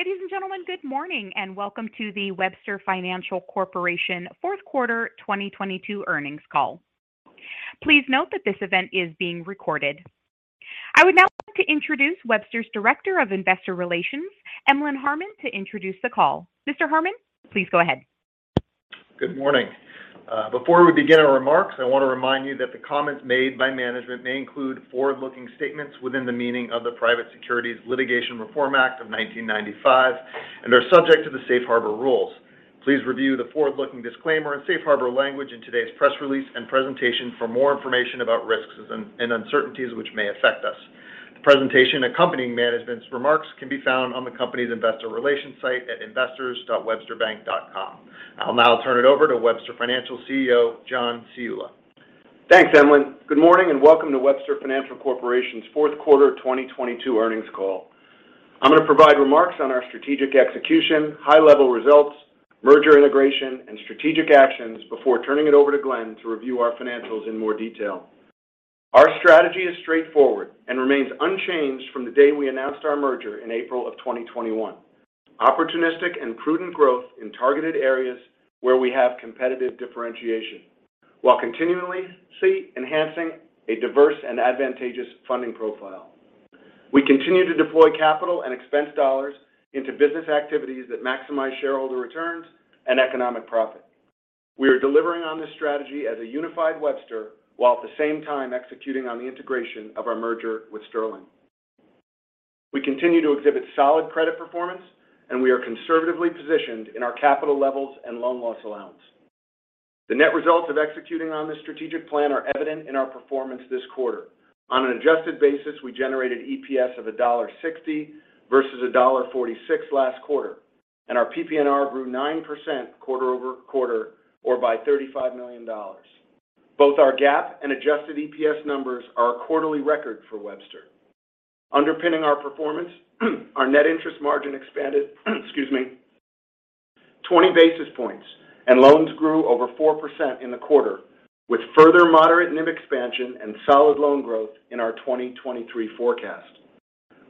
Ladies and gentlemen, good morning, welcome to the Webster Financial Corporation fourth quarter 2022 earnings call. Please note that this event is being recorded. I would now like to introduce Webster's Director of Investor Relations, Emlen Harmon, to introduce the call. Mr. Harmon, please go ahead. Good morning. Before we begin our remarks, I want to remind you that the comments made by management may include forward-looking statements within the meaning of the Private Securities Litigation Reform Act of 1995 and are subject to the safe harbor rules. Please review the forward-looking disclaimer and safe harbor language in today's press release and presentation for more information about risks and uncertainties which may affect us. The presentation accompanying management's remarks can be found on the company's investor relations site at investors.websterbank.com. I'll now turn it over to Webster Financial CEO, John Ciulla. Thanks, Emlen. Good morning, and welcome to Webster Financial Corporation's fourth quarter 2022 earnings call. I'm going to provide remarks on our strategic execution, high level results, merger integration, and strategic actions before turning it over to Glenn to review our financials in more detail. Our strategy is straightforward and remains unchanged from the day we announced our merger in April of 2021. Opportunistic and prudent growth in targeted areas where we have competitive differentiation while continually see enhancing a diverse and advantageous funding profile. We continue to deploy capital and expense dollars into business activities that maximize shareholder returns and economic profit. We are delivering on this strategy as a unified Webster while at the same time executing on the integration of our merger with Sterling. We continue to exhibit solid credit performance, and we are conservatively positioned in our capital levels and loan loss allowance. The net results of executing on this strategic plan are evident in our performance this quarter. On an adjusted basis, we generated EPS of $1.60 versus $1.46 last quarter, and our PPNR grew 9% quarter-over-quarter or by $35 million. Both our GAAP and adjusted EPS numbers are a quarterly record for Webster. Underpinning our performance, our net interest margin expanded, excuse me, 20 basis points and loans grew over 4% in the quarter with further moderate NIM expansion and solid loan growth in our 2023 forecast.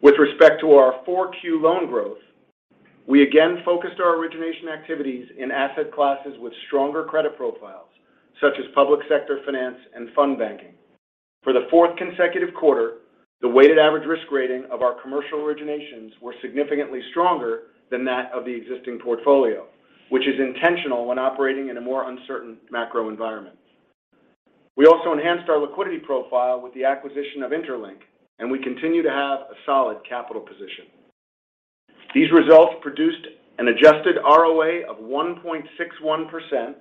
With respect to our 4Q loan growth, we again focused our origination activities in asset classes with stronger credit profiles, such as public sector finance and fund banking. For the fourth consecutive quarter, the weighted average risk rating of our commercial originations were significantly stronger than that of the existing portfolio, which is intentional when operating in a more uncertain macro environment. We also enhanced our liquidity profile with the acquisition of interLINK. We continue to have a solid capital position. These results produced an adjusted ROA of 1.61%,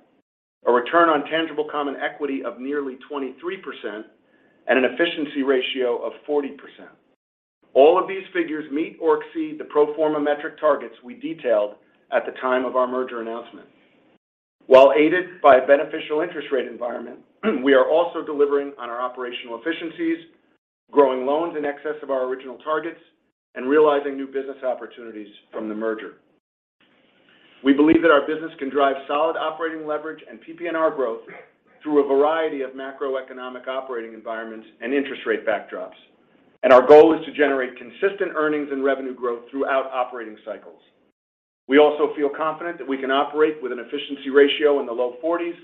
a return on tangible common equity of nearly 23%, and an efficiency ratio of 40%. All of these figures meet or exceed the pro forma metric targets we detailed at the time of our merger announcement. While aided by a beneficial interest rate environment, we are also delivering on our operational efficiencies, growing loans in excess of our original targets, and realizing new business opportunities from the merger. We believe that our business can drive solid operating leverage and PPNR growth through a variety of macroeconomic operating environments and interest rate backdrops. Our goal is to generate consistent earnings and revenue growth throughout operating cycles. We also feel confident that we can operate with an efficiency ratio in the low 40s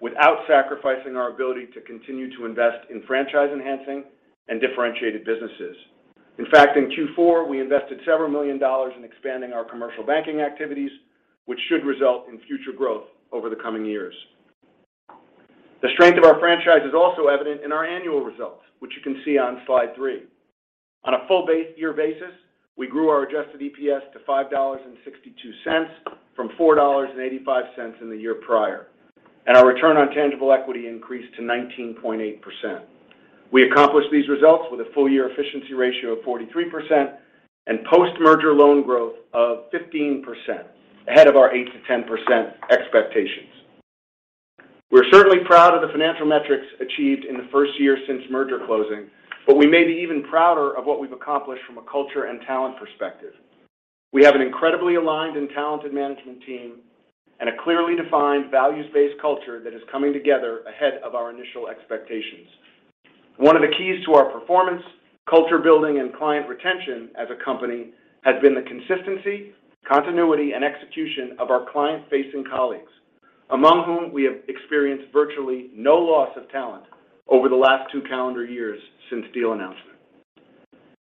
without sacrificing our ability to continue to invest in franchise enhancing and differentiated businesses. In fact, in Q4, we invested several million dollars in expanding our commercial banking activities, which should result in future growth over the coming years. The strength of our franchise is also evident in our annual results, which you can see on slide three. On a full year basis, we grew our adjusted EPS to $5.62 from $4.85 in the year prior. Our return on tangible equity increased to 19.8%. We accomplished these results with a full year efficiency ratio of 43% and post-merger loan growth of 15%, ahead of our 8%-10% expectations. We're certainly proud of the financial metrics achieved in the first year since merger closing. We may be even prouder of what we've accomplished from a culture and talent perspective. We have an incredibly aligned and talented management team and a clearly defined values-based culture that is coming together ahead of our initial expectations. One of the keys to our performance, culture building, and client retention as a company has been the consistency, continuity, and execution of our client-facing colleagues, among whom we have experienced virtually no loss of talent over the last two calendar years since deal announcement.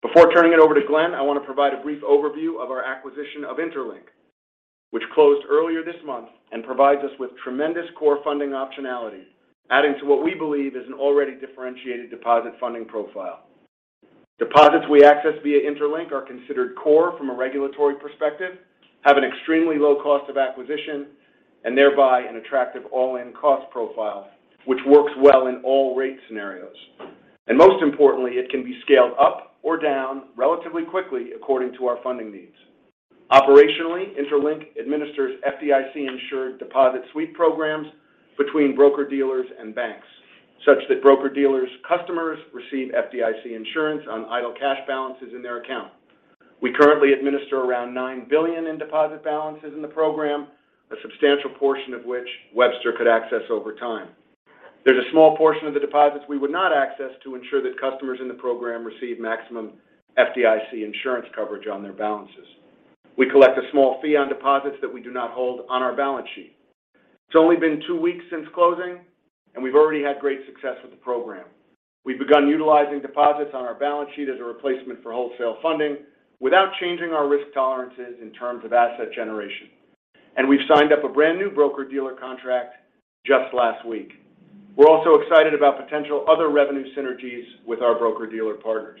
Before turning it over to Glenn, I want to provide a brief overview of our acquisition of interLINK, which closed earlier this month and provides us with tremendous core funding optionality, adding to what we believe is an already differentiated deposit funding profile. Deposits we access via interLINK are considered core from a regulatory perspective, have an extremely low cost of acquisition, and thereby an attractive all-in cost profile, which works well in all rate scenarios. Most importantly, it can be scaled up or down relatively quickly according to our funding needs. Operationally, interLINK administers FDIC-insured deposit sweep programs between broker-dealers and banks, such that broker-dealers' customers receive FDIC insurance on idle cash balances in their account. We currently administer around $9 billion in deposit balances in the program, a substantial portion of which Webster could access over time. There's a small portion of the deposits we would not access to ensure that customers in the program receive maximum FDIC insurance coverage on their balances. We collect a small fee on deposits that we do not hold on our balance sheet. It's only been two weeks since closing, we've already had great success with the program. We've begun utilizing deposits on our balance sheet as a replacement for wholesale funding without changing our risk tolerances in terms of asset generation. We've signed up a brand new broker-dealer contract just last week. We're also excited about potential other revenue synergies with our broker-dealer partners.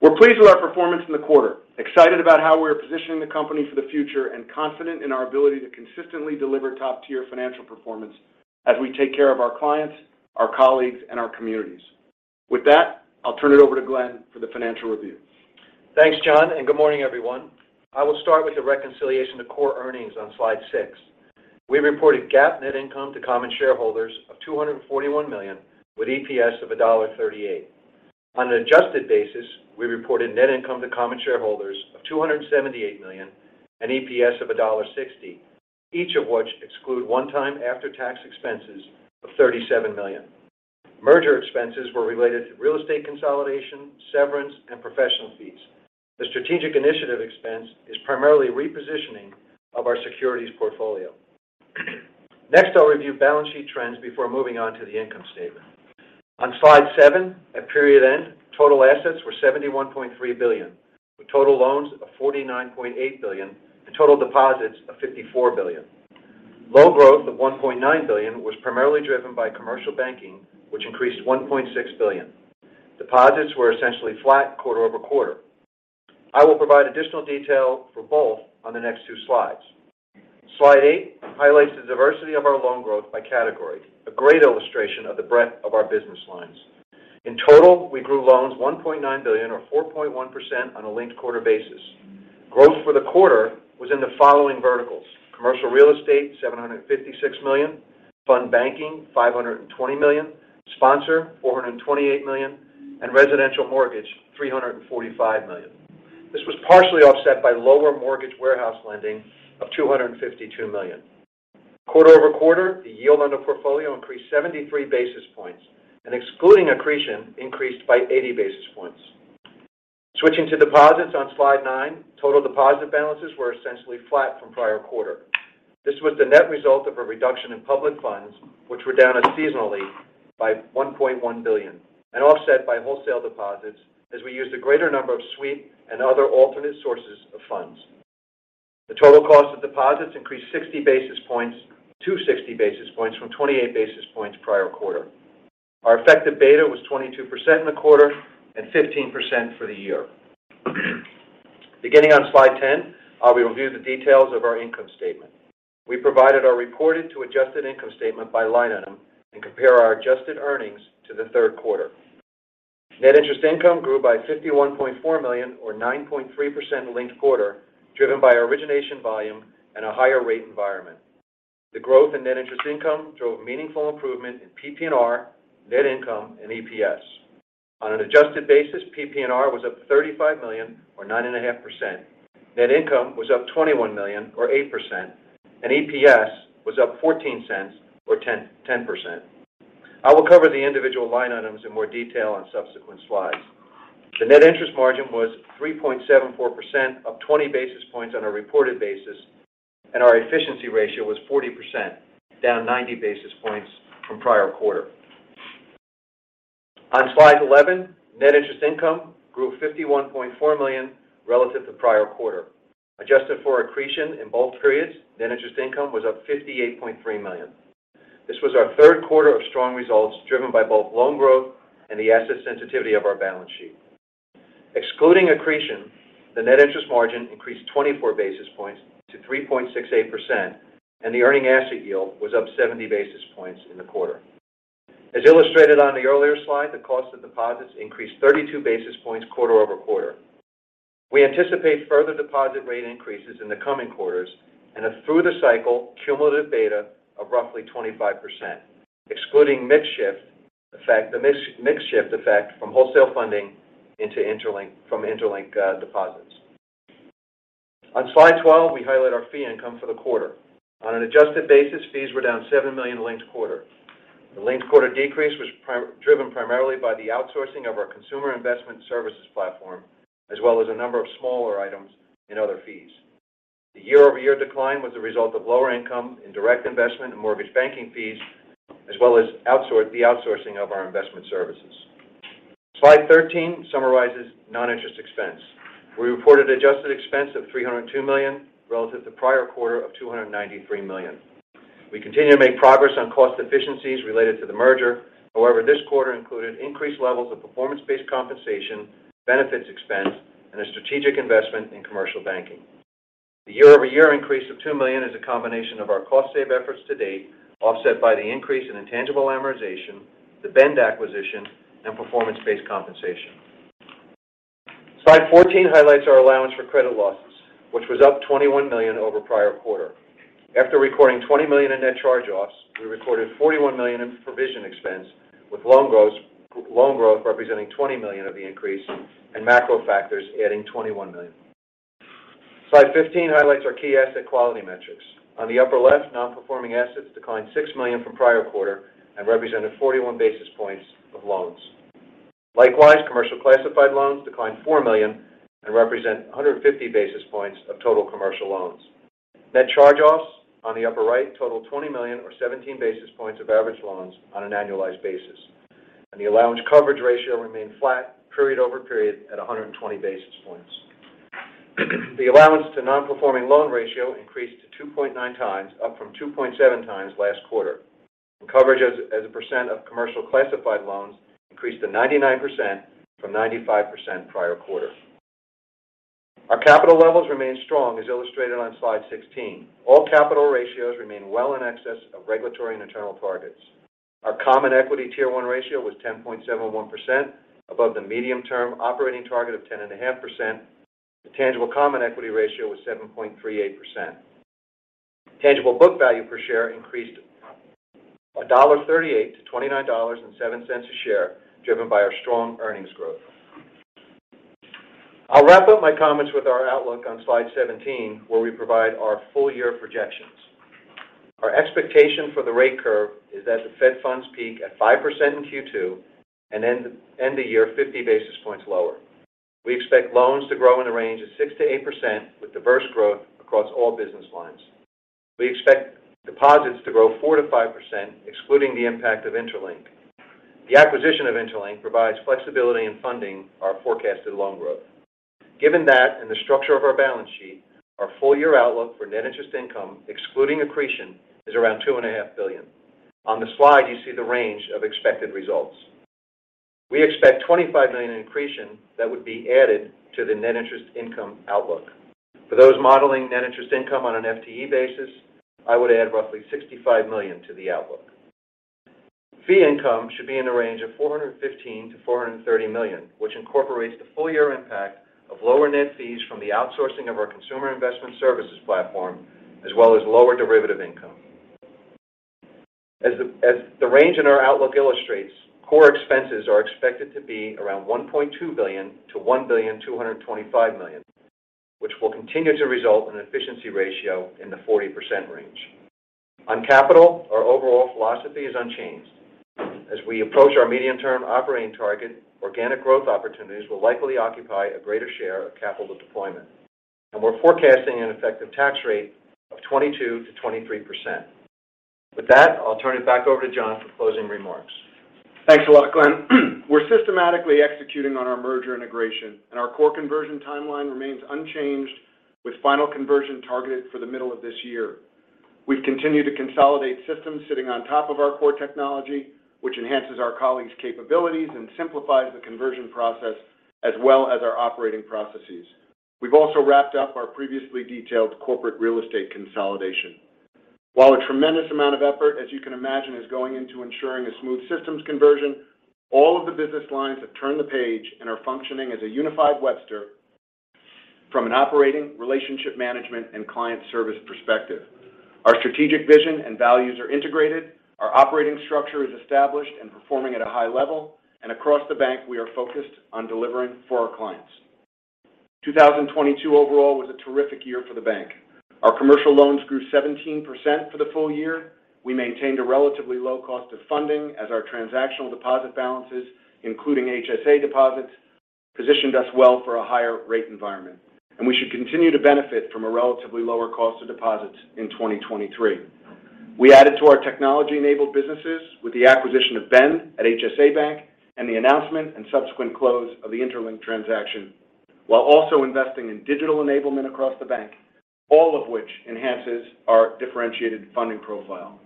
We're pleased with our performance in the quarter, excited about how we're positioning the company for the future, and confident in our ability to consistently deliver top-tier financial performance as we take care of our clients, our colleagues, and our communities. With that, I'll turn it over to Glenn for the financial review. Thanks, John. Good morning, everyone. I will start with the reconciliation to core earnings on slide six. We reported GAAP net income to common shareholders of $241 million, with EPS of $1.38. On an adjusted basis, we reported net income to common shareholders of $278 million and EPS of $1.60, each of which exclude one-time after-tax expenses of $37 million. Merger expenses were related to real estate consolidation, severance, and professional fees. The strategic initiative expense is primarily repositioning of our securities portfolio. Next, I'll review balance sheet trends before moving on to the income statement. On slide seven, at period end, total assets were $71.3 billion, with total loans of $49.8 billion and total deposits of $54 billion. Loan growth of $1.9 billion was primarily driven by commercial banking, which increased $1.6 billion. Deposits were essentially flat quarter-over-quarter. I will provide additional detail for both on the next two slides. Slide eight highlights the diversity of our loan growth by category, a great illustration of the breadth of our business lines. In total, we grew loans $1.9 billion or 4.1% on a linked-quarter basis. Growth for the quarter was in the following verticals: commercial real estate, $756 million; fund banking, $520 million; sponsor, $428 million; and residential mortgage, $345 million. This was partially offset by lower mortgage warehouse lending of $252 million. Quarter-over-quarter, the yield on the portfolio increased 73 basis points and excluding accretion increased by 80 basis points. Switching to deposits on slide nine, total deposit balances were essentially flat from prior quarter. This was the net result of a reduction in public funds which were down unseasonally by $1.1 billion and offset by wholesale deposits as we used a greater number of sweep and other alternate sources of funds. The total cost of deposits increased 60 basis points to 60 basis points from 28 basis points prior quarter. Our effective beta was 22% in the quarter and 15% for the year. Beginning on slide 10, I will review the details of our income statement. We provided our reported to adjusted income statement by line item and compare our adjusted earnings to the third quarter. Net interest income grew by $51.4 million or 9.3% linked quarter, driven by origination volume and a higher rate environment. The growth in Net interest income drove meaningful improvement in PPNR, net income and EPS. On an adjusted basis, PPNR was up $35 million or 9.5%. Net income was up $21 million or 8%, and EPS was up $0.14 or 10%. I will cover the individual line items in more detail on subsequent slides. The net interest margin was 3.74%, up 20 basis points on a reported basis, and our efficiency ratio was 40%, down 90 basis points from prior quarter. On slide 11, net interest income grew $51.4 million relative to prior quarter. Adjusted for accretion in both periods, net interest income was up $58.3 million. This was our third quarter of strong results, driven by both loan growth and the asset sensitivity of our balance sheet. Excluding accretion, the net interest margin increased 24 basis points to 3.68%, and the earning asset yield was up 70 basis points in the quarter. As illustrated on the earlier slide, the cost of deposits increased 32 basis points quarter-over-quarter. We anticipate further deposit rate increases in the coming quarters and a through the cycle cumulative beta of roughly 25%, excluding the mix-shift effect from wholesale funding into interLINK deposits. On slide 12, we highlight our fee income for the quarter. On an adjusted basis, fees were down $7 million linked quarter. The linked quarter decrease was driven primarily by the outsourcing of our consumer investment services platform, as well as a number of smaller items in other fees. The year-over-year decline was a result of lower income in direct investment and mortgage banking fees, as well as the outsourcing of our investment services. Slide 13 summarizes non-interest expense. We reported adjusted expense of $302 million relative to prior quarter of $293 million. We continue to make progress on cost efficiencies related to the merger. However, this quarter included increased levels of performance-based compensation, benefits expense, and a strategic investment in commercial banking. The year-over-year increase of $2 million is a combination of our cost save efforts to date, offset by the increase in intangible amortization, the Bend acquisition, and performance-based compensation. Slide 14 highlights our allowance for credit losses, which was up $21 million over prior quarter. After recording $20 million in net charge-offs, we recorded $41 million in provision expense with loan growth representing $20 million of the increase and macro factors adding $21 million. Slide 15 highlights our key asset quality metrics. On the upper left, non-performing assets declined $6 million from prior quarter and represented 41 basis points of loans. Likewise, commercial classified loans declined $4 million and represent 150 basis points of total commercial loans. Net charge-offs on the upper right totaled $20 million or 17 basis points of average loans on an annualized basis. The allowance coverage ratio remained flat period-over-period at 120 basis points. The allowance to non-performing loan ratio increased to 2.9x, up from 2.7x last quarter. Coverage as a percent of commercial classified loans increased to 99% from 95% prior quarter. Our capital levels remain strong, as illustrated on slide 16. All capital ratios remain well in excess of regulatory and internal targets. Our common equity tier one ratio was 10.71%, above the medium-term operating target of 10.5%. The tangible common equity ratio was 7.38%. Tangible book value per share increased $1.38 to $29.07 a share, driven by our strong earnings growth. I'll wrap up my comments with our outlook on slide 17, where we provide our full year projections. Our expectation for the rate curve is that the Fed Funds peak at 5% in Q2 and end the year 50 basis points lower. We expect loans to grow in the range of 6%-8% with diverse growth across all business lines. We expect deposits to grow 4%-5%, excluding the impact of interLINK. The acquisition of interLINK provides flexibility in funding our forecasted loan growth. Given that and the structure of our balance sheet, our full year outlook for net interest income, excluding accretion, is around two and a half billion. On the slide, you see the range of expected results. We expect $25 million in accretion that would be added to the net interest income outlook. For those modeling net interest income on an FTE basis, I would add roughly $65 million to the outlook. Fee income should be in the range of $415 million-$430 million, which incorporates the full year impact of lower net fees from the outsourcing of our consumer investment services platform, as well as lower derivative income. As the range in our outlook illustrates, core expenses are expected to be around $1.2 billion to $1.225 billion, which will continue to result in an efficiency ratio in the 40% range. On capital, our overall philosophy is unchanged. As we approach our medium-term operating target, organic growth opportunities will likely occupy a greater share of capital deployment. We're forecasting an effective tax rate of 22%-23%. With that, I'll turn it back over to John for closing remarks. Thanks a lot, Glenn. We're systematically executing on our merger integration, and our core conversion timeline remains unchanged with final conversion targeted for the middle of this year. We've continued to consolidate systems sitting on top of our core technology, which enhances our colleagues' capabilities and simplifies the conversion process as well as our operating processes. We've also wrapped up our previously detailed corporate real estate consolidation. While a tremendous amount of effort, as you can imagine, is going into ensuring a smooth systems conversion, all of the business lines have turned the page and are functioning as a unified Webster from an operating relationship management and client service perspective. Our strategic vision and values are integrated, our operating structure is established and performing at a high level, and across the bank, we are focused on delivering for our clients. 2022 overall was a terrific year for the bank. Our commercial loans grew 17% for the full year. We maintained a relatively low cost of funding as our transactional deposit balances, including HSA deposits, positioned us well for a higher rate environment. We should continue to benefit from a relatively lower cost of deposits in 2023. We added to our technology-enabled businesses with the acquisition of Bend at HSA Bank and the announcement and subsequent close of the interLINK transaction while also investing in digital enablement across the bank, all of which enhances our differentiated funding profile.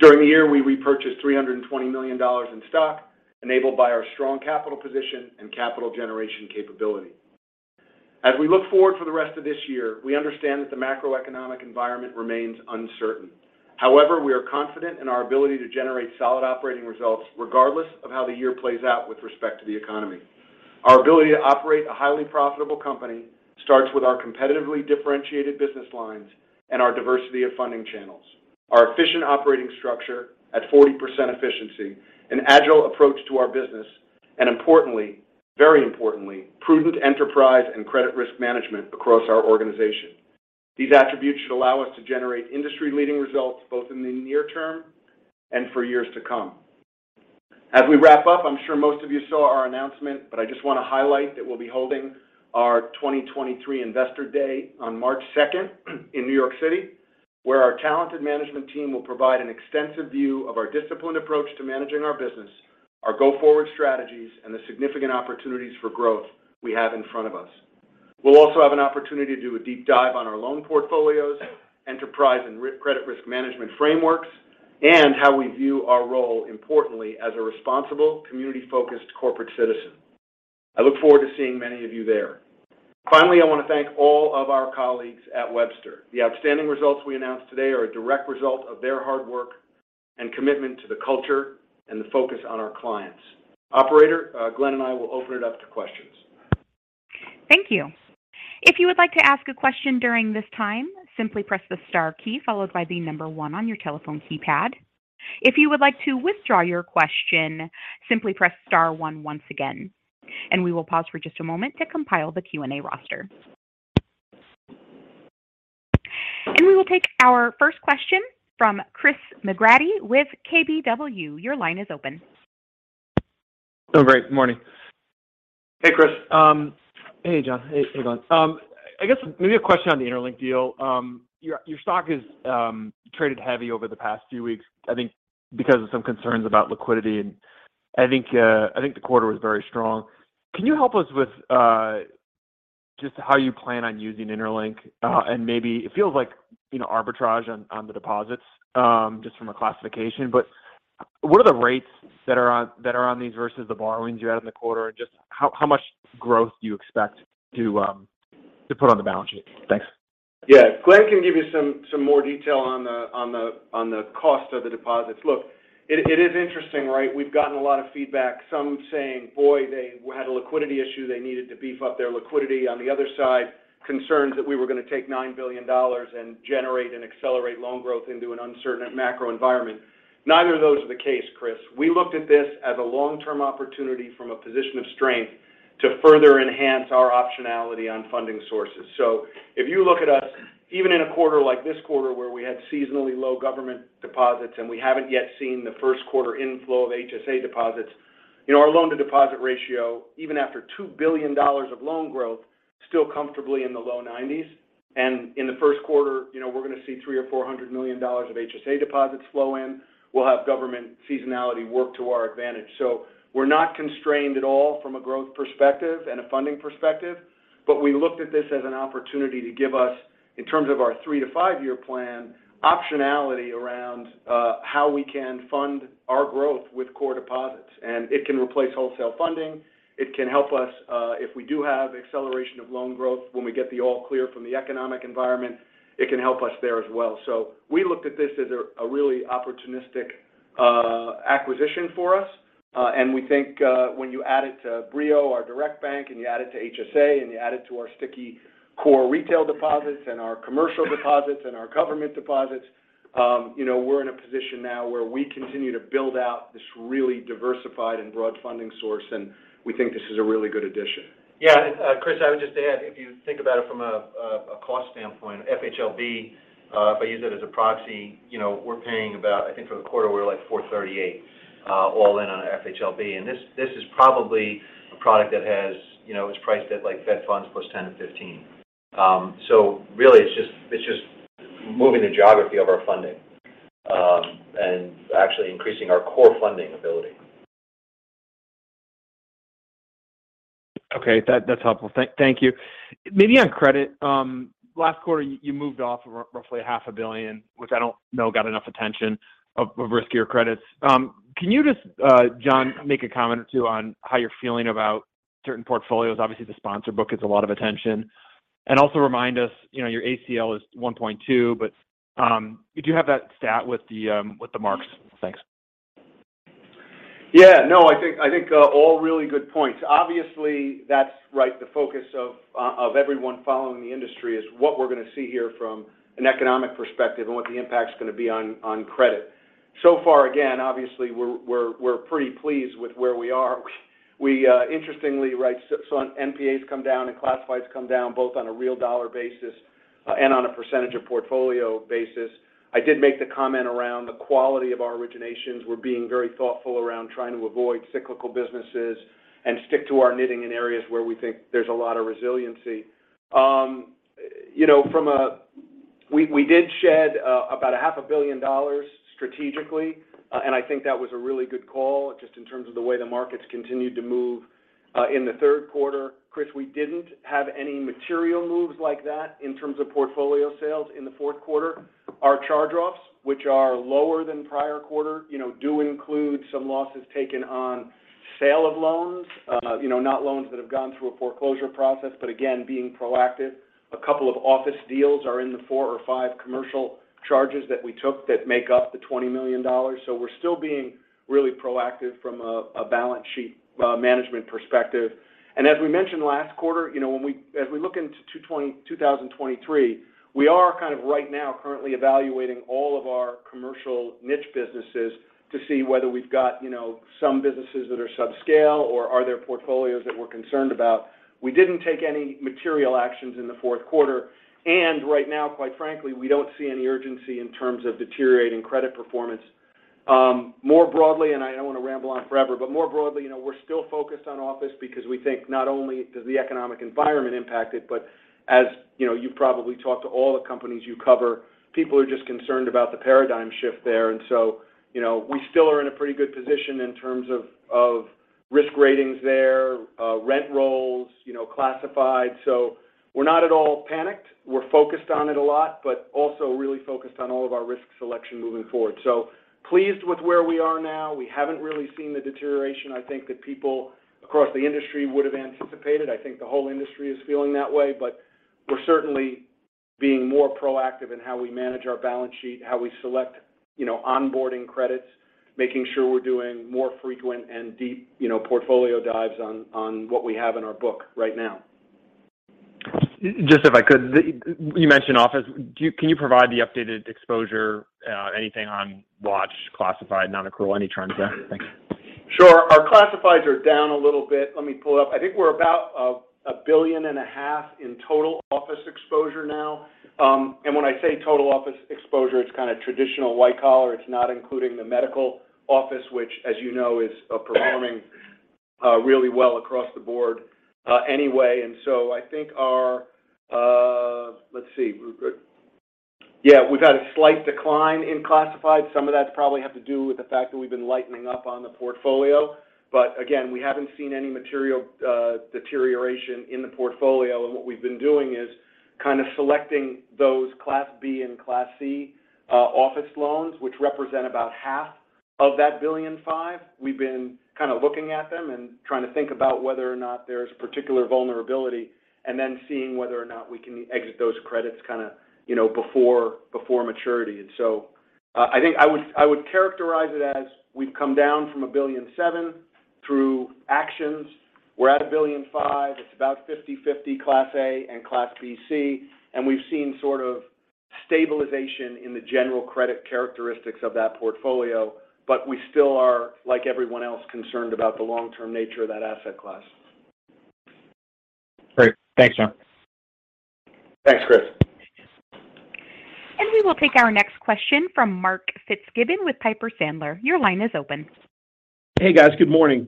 During the year, we repurchased $320 million in stock, enabled by our strong capital position and capital generation capability. As we look forward for the rest of this year, we understand that the macroeconomic environment remains uncertain. We are confident in our ability to generate solid operating results regardless of how the year plays out with respect to the economy. Our ability to operate a highly profitable company starts with our competitively differentiated business lines and our diversity of funding channels. Our efficient operating structure at 40% efficiency, an agile approach to our business, and importantly, very importantly, prudent enterprise and credit risk management across our organization. These attributes should allow us to generate industry-leading results both in the near term and for years to come. As we wrap up, I'm sure most of you saw our announcement, but I just want to highlight that we'll be holding our 2023 Investor Day on March 2nd in New York City, where our talented management team will provide an extensive view of our disciplined approach to managing our business, our go-forward strategies, and the significant opportunities for growth we have in front of us. We'll also have an opportunity to do a deep dive on our loan portfolios, enterprise and credit risk management frameworks, and how we view our role importantly as a responsible, community-focused corporate citizen. I look forward to seeing many of you there. I want to thank all of our colleagues at Webster. The outstanding results we announced today are a direct result of their hard work and commitment to the culture and the focus on our clients. Operator, Glenn and I will open it up to questions. Thank you. If you would like to ask a question during this time, simply press the star key followed by the number one on your telephone keypad. If you would like to withdraw your question, simply press star one once again. We will pause for just a moment to compile the Q&A roster. We will take our first question from Chris McGratty with KBW. Your line is open. Oh, great. Morning. Hey, Chris. Hey, John. Hey, Glenn. I guess maybe a question on the interLINK deal. Your stock has traded heavy over the past few weeks, I think because of some concerns about liquidity. I think, I think the quarter was very strong. Can you help us with just how you plan on using interLINK? Maybe it feels like, you know, arbitrage on the deposits, just from a classification. What are the rates that are on these versus the borrowings you had in the quarter? Just how much growth do you expect to put on the balance sheet? Thanks. Yeah. Glenn can give you some more detail on the cost of the deposits. Look, it is interesting, right? We've gotten a lot of feedback, some saying, boy, they had a liquidity issue. They needed to beef up their liquidity. On the other side, concerns that we were going to take $9 billion and accelerate loan growth into an uncertain macro environment. Neither of those are the case, Chris. We looked at this as a long-term opportunity from a position of strength to further enhance our optionality on funding sources. If you look at us, even in a quarter like this quarter, where we had seasonally low government deposits, and we haven't yet seen the first quarter inflow of HSA deposits, you know, our loan-to-deposit ratio, even after $2 billion of loan growth, still comfortably in the low 90s. In the first quarter, you know, we're going to see $300 million-$400 million of HSA deposits flow in. We'll have government seasonality work to our advantage. We're not constrained at all from a growth perspective and a funding perspective. We looked at this as an opportunity to give us, in terms of our thre to five-year plan, optionality around how we can fund our growth with core deposits. It can replace wholesale funding. It can help us if we do have acceleration of loan growth when we get the all clear from the economic environment. It can help us there as well. We looked at this as a really opportunistic acquisition for us. We think, when you add it to Brio, our direct bank, and you add it to HSA, and you add it to our sticky core retail deposits and our commercial deposits and our government deposits, you know, we're in a position now where we continue to build out this really diversified and broad funding source, and we think this is a really good addition. Yeah. Chris, I would just add, if you think about it from a, a cost standpoint, FHLB, if I use it as a proxy, you know, we're paying about, I think for the quarter, we're like 4.38 all in on FHLB. This is probably a product that has, you know, is priced at like Fed Funds plus 10-15. Really it's just moving the geography of our funding, and actually increasing our core funding ability. Okay. That's helpful. Thank you. Maybe on credit. Last quarter, you moved off roughly half a billion, which I don't know got enough attention of riskier credits. Can you just, John, make a comment or two on how you're feeling about certain portfolios? Obviously, the sponsor book gets a lot of attention. Also remind us, you know, your ACL is 1.2, but, do you have that stat with the, with the marks? Thanks. Yeah. No, I think all really good points. Obviously, that's right. The focus of everyone following the industry is what we're going to see here from an economic perspective and what the impact is going to be on credit. So far, again, obviously, we're pretty pleased with where we are. We, interestingly, right, so NPAs come down and classifieds come down both on a real dollar basis, and on a percentage of portfolio basis. I did make the comment around the quality of our originations. We're being very thoughtful around trying to avoid cyclical businesses and stick to our knitting in areas where we think there's a lot of resiliency. You know, we did shed about a half a billion dollars strategically. I think that was a really good call just in terms of the way the markets continued to move in the third quarter. Chris, we didn't have any material moves like that in terms of portfolio sales in the fourth quarter. Our charge-offs, which are lower than prior quarter, you know, do include some losses taken on sale of loans, you know, not loans that have gone through a foreclosure process. Again, being proactive, a couple of office deals are in the four or five commercial charges that we took that make up the $20 million. We're still being really proactive from a balance sheet management perspective. As we mentioned last quarter, you know, as we look into 2023, we are kind of right now currently evaluating all of our commercial niche businesses to see whether we've got, you know, some businesses that are subscale or are there portfolios that we're concerned about. We didn't take any material actions in the fourth quarter. Right now, quite frankly, we don't see any urgency in terms of deteriorating credit performance. More broadly, and I don't want to ramble on forever, but more broadly, you know, we're still focused on office because we think not only does the economic environment impact it, but as, you know, you probably talk to all the companies you cover, people are just concerned about the paradigm shift there. You know, we still are in a pretty good position in terms of risk ratings there, rent rolls, you know, classified. We're not at all panicked. We're focused on it a lot, but also really focused on all of our risk selection moving forward. Pleased with where we are now. We haven't really seen the deterioration I think that people across the industry would have anticipated. I think the whole industry is feeling that way. We're certainly being more proactive in how we manage our balance sheet, how we select, you know, onboarding credits, making sure we're doing more frequent and deep, you know, portfolio dives on what we have in our book right now. Just if I could. You mentioned office. Can you provide the updated exposure, anything on watch, classified, non-accrual, any trends there? Thanks. Sure. Our classifieds are down a little bit. Let me pull it up. I think we're about a billion and a half in total office exposure now. When I say total office exposure, it's kind of traditional white collar. It's not including the medical office, which as you know, is performing really well across the board anyway. So I think our... Let's see. Yeah, we've had a slight decline in classified. Some of that's probably have to do with the fact that we've been lightening up on the portfolio. But again, we haven't seen any material deterioration in the portfolio. What we've been doing is kind of selecting those Class B and Class C office loans, which represent about half of that $1.5 billion. We've been kind of looking at them and trying to think about whether or not there's particular vulnerability and then seeing whether or not we can exit those credits kind of, you know, before maturity. I think I would, I would characterize it as we've come down from $1.7 billion through actions. We're at $1.5 billion. It's about 50/50 Class A and Class B, C. We've seen sort of stabilization in the general credit characteristics of that portfolio. We still are, like everyone else, concerned about the long-term nature of that asset class. Great. Thanks, John. Thanks, Chris. We will take our next question from Mark Fitzgibbon with Piper Sandler. Your line is open. Hey, guys. Good morning.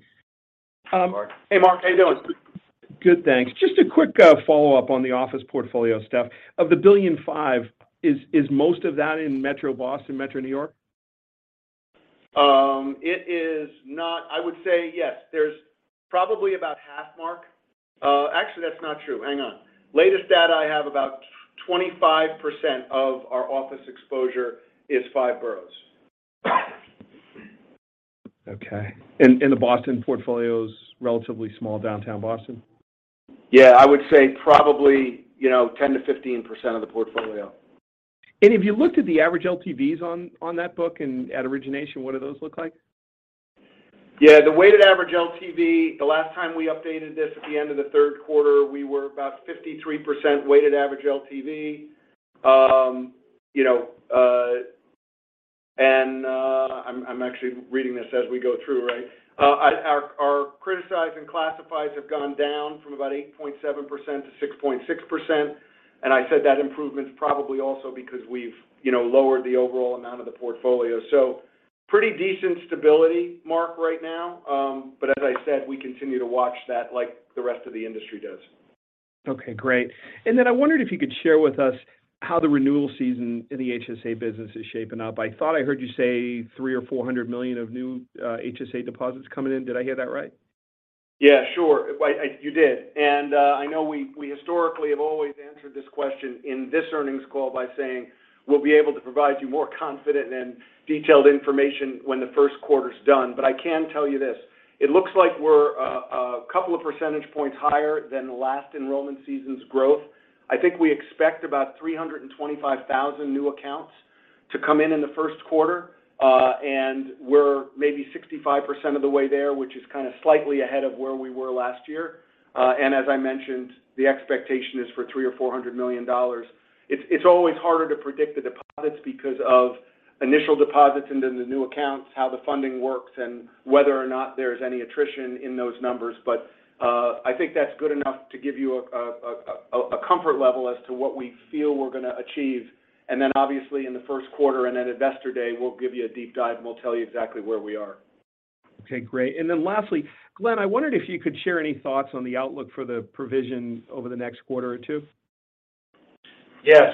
Hey, Mark. How you doing? Good, thanks. Just a quick, follow-up on the office portfolio stuff. Of the $1.5 billion, is most of that in Metro Boston, Metro New York? It is not. I would say yes, there's probably about half, Mark. Actually, that's not true. Hang on. Latest data I have, about 25% of our office exposure is five boroughs. Okay. The Boston portfolio is relatively small downtown Boston? Yeah, I would say probably, you know, 10%-15% of the portfolio. If you looked at the average LTVs on that book and at origination, what do those look like? Yeah, the weighted average LTV, the last time we updated this at the end of the third quarter, we were about 53% weighted average LTV. You know, I'm actually reading this as we go through, right? Our criticized and classifies have gone down from about 8.7%-6.6%. I said that improvement is probably also because we've, you know, lowered the overall amount of the portfolio. Pretty decent stability, Mark, right now. As I said, we continue to watch that like the rest of the industry does. Okay, great. Then I wondered if you could share with us how the renewal season in the HSA business is shaping up. I thought I heard you say $300 million or $400 million of new HSA deposits coming in. Did I hear that right? Yeah, sure. Well, you did. I know we historically have always answered this question in this earnings call by saying, "We'll be able to provide you more confident and detailed information when the first quarter is done." I can tell you this, it looks like we're a couple of percentage points higher than the last enrollment season's growth. I think we expect about 325,000 new accounts to come in in the first quarter. We're maybe 65% of the way there, which is kind of slightly ahead of where we were last year. As I mentioned, the expectation is for $300 million or $400 million. It's, it's always harder to predict the deposits because of initial deposits and then the new accounts, how the funding works, and whether or not there's any attrition in those numbers. I think that's good enough to give you a comfort level as to what we feel we're gonna achieve. Obviously in the first quarter and at Investor Day, we'll give you a deep dive, and we'll tell you exactly where we are. Okay, great. Lastly, Glenn, I wondered if you could share any thoughts on the outlook for the provision over the next quarter or two. Yeah.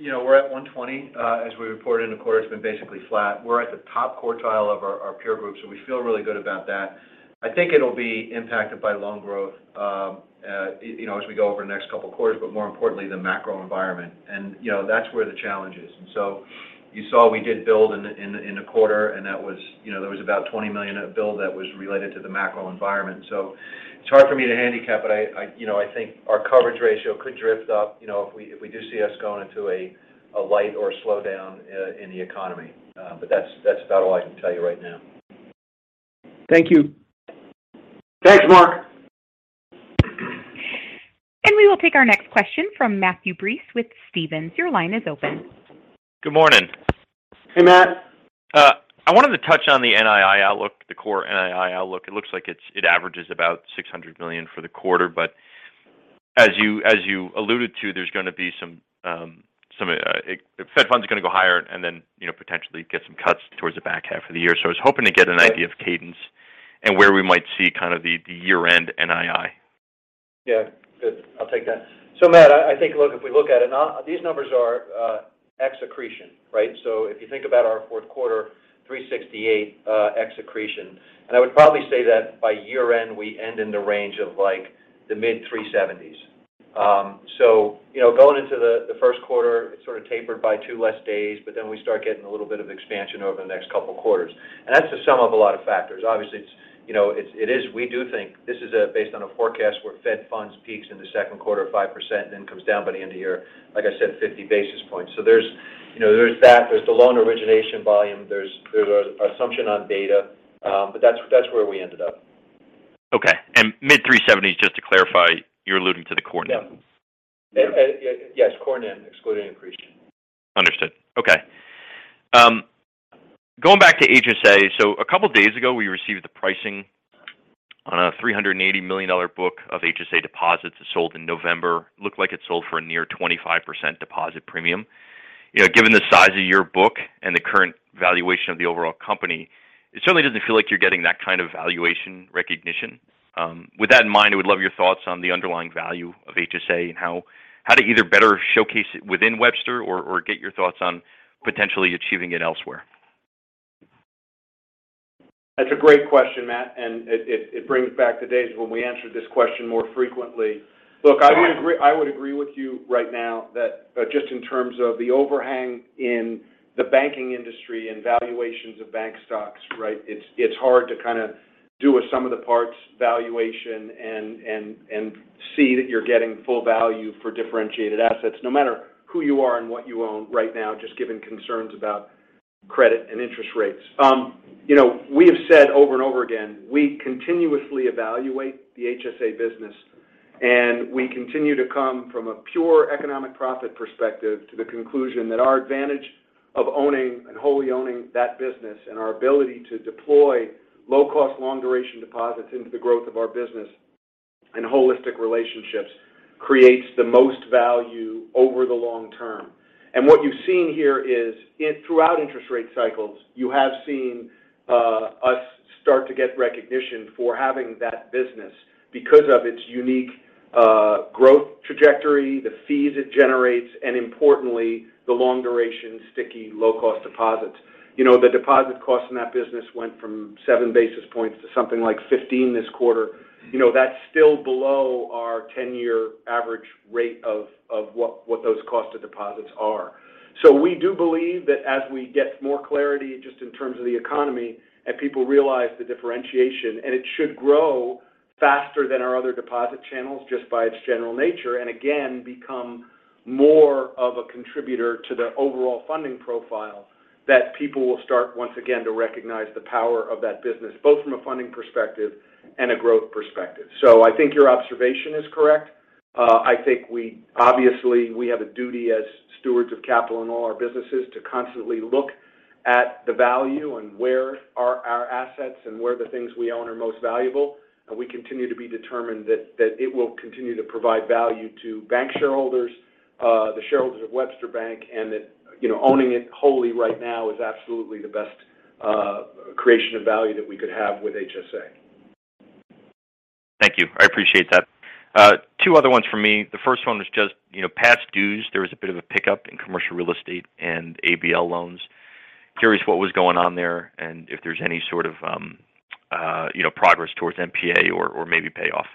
You know, we're at 120 as we reported, and of course been basically flat. We're at the top quartile of our peer group, so we feel really good about that. I think it'll be impacted by loan growth, you know, as we go over the next couple of quarters, but more importantly, the macro environment. You know, that's where the challenge is. You saw we did build in the, in the, in the quarter, and that was, you know, there was about $20 million of build that was related to the macro environment. It's hard for me to handicap, but I, you know, I think our coverage ratio could drift up, you know, if we, if we do see us going into a light or a slowdown in the economy. That's about all I can tell you right now. Thank you. Thanks, Mark. We will take our next question from Matthew Breese with Stephens. Your line is open. Good morning. Hey, Matt. I wanted to touch on the NII outlook, the core NII outlook. It looks like it averages about $600 million for the quarter. As you, as you alluded to, there's gonna be some Fed Funds are gonna go higher and then, you know, potentially get some cuts towards the back half of the year. I was hoping to get an idea of cadence and where we might see kind of the year-end NII. Yeah. Good. I'll take that. Matt, I think, look, if we look at it, now these numbers are ex accretion, right? If you think about our fourth quarter, 368 ex accretion, and I would probably say that by year-end, we end in the range of like the mid 370s. Going into the first quarter, it's sort of tapered by two less days, but then we start getting a little bit of expansion over the next couple of quarters. That's the sum of a lot of factors. Obviously, it's, it is, we do think this is based on a forecast where Fed Funds peaks in the second quarter of 5%. Comes down by the end of the year, like I said, 50 basis points. There's, there's that. There's the loan origination volume. There's our assumption on data. That's where we ended up. Okay. mid 370, just to clarify, you're alluding to the core NIM? Yes, core NIM excluding increase. Understood. Okay. Going back to HSA. A couple days ago, we received the pricing on a $380 million book of HSA deposits sold in November. Looked like it sold for a near 25% deposit premium. You know, given the size of your book and the current valuation of the overall company, it certainly doesn't feel like you're getting that kind of valuation recognition. With that in mind, I would love your thoughts on the underlying value of HSA and how to either better showcase it within Webster or get your thoughts on potentially achieving it elsewhere. That's a great question, Matt, it brings back the days when we answered this question more frequently. Look, I would agree with you right now that just in terms of the overhang in the banking industry and valuations of bank stocks, right? It's hard to kind of do a sum of the parts valuation and see that you're getting full value for differentiated assets. No matter who you are and what you own right now, just given concerns about credit and interest rates. You know, we have said over and over again, we continuously evaluate the HSA business. We continue to come from a pure economic profit perspective to the conclusion that our advantage of owning and wholly owning that business and our ability to deploy low-cost long duration deposits into the growth of our business and holistic relationships creates the most value over the long term. What you've seen here is throughout interest rate cycles, you have seen us start to get recognition for having that business because of its unique growth trajectory, the fees it generates, and importantly, the long duration, sticky, low-cost deposits. You know, the deposit cost in that business went from seven basis points to something like 15 this quarter. You know, that's still below our 10-year average rate of what those cost of deposits are. We do believe that as we get more clarity just in terms of the economy and people realize the differentiation, and it should grow faster than our other deposit channels just by its general nature. Again, become more of a contributor to the overall funding profile that people will start once again to recognize the power of that business, both from a funding perspective and a growth perspective. I think your observation is correct. I think we obviously have a duty as stewards of capital in all our businesses to constantly look at the value and where are our assets and where the things we own are most valuable. We continue to be determined that it will continue to provide value to bank shareholders, the shareholders of Webster Bank, and that, you know, owning it wholly right now is absolutely the best, creation of value that we could have with HSA. Thank you. I appreciate that. Two other ones for me. The first one was just, you know, past dues. There was a bit of a pickup in commercial real estate and ABL loans. Curious what was going on there, and if there's any sort of, you know, progress towards NPA or maybe payoff.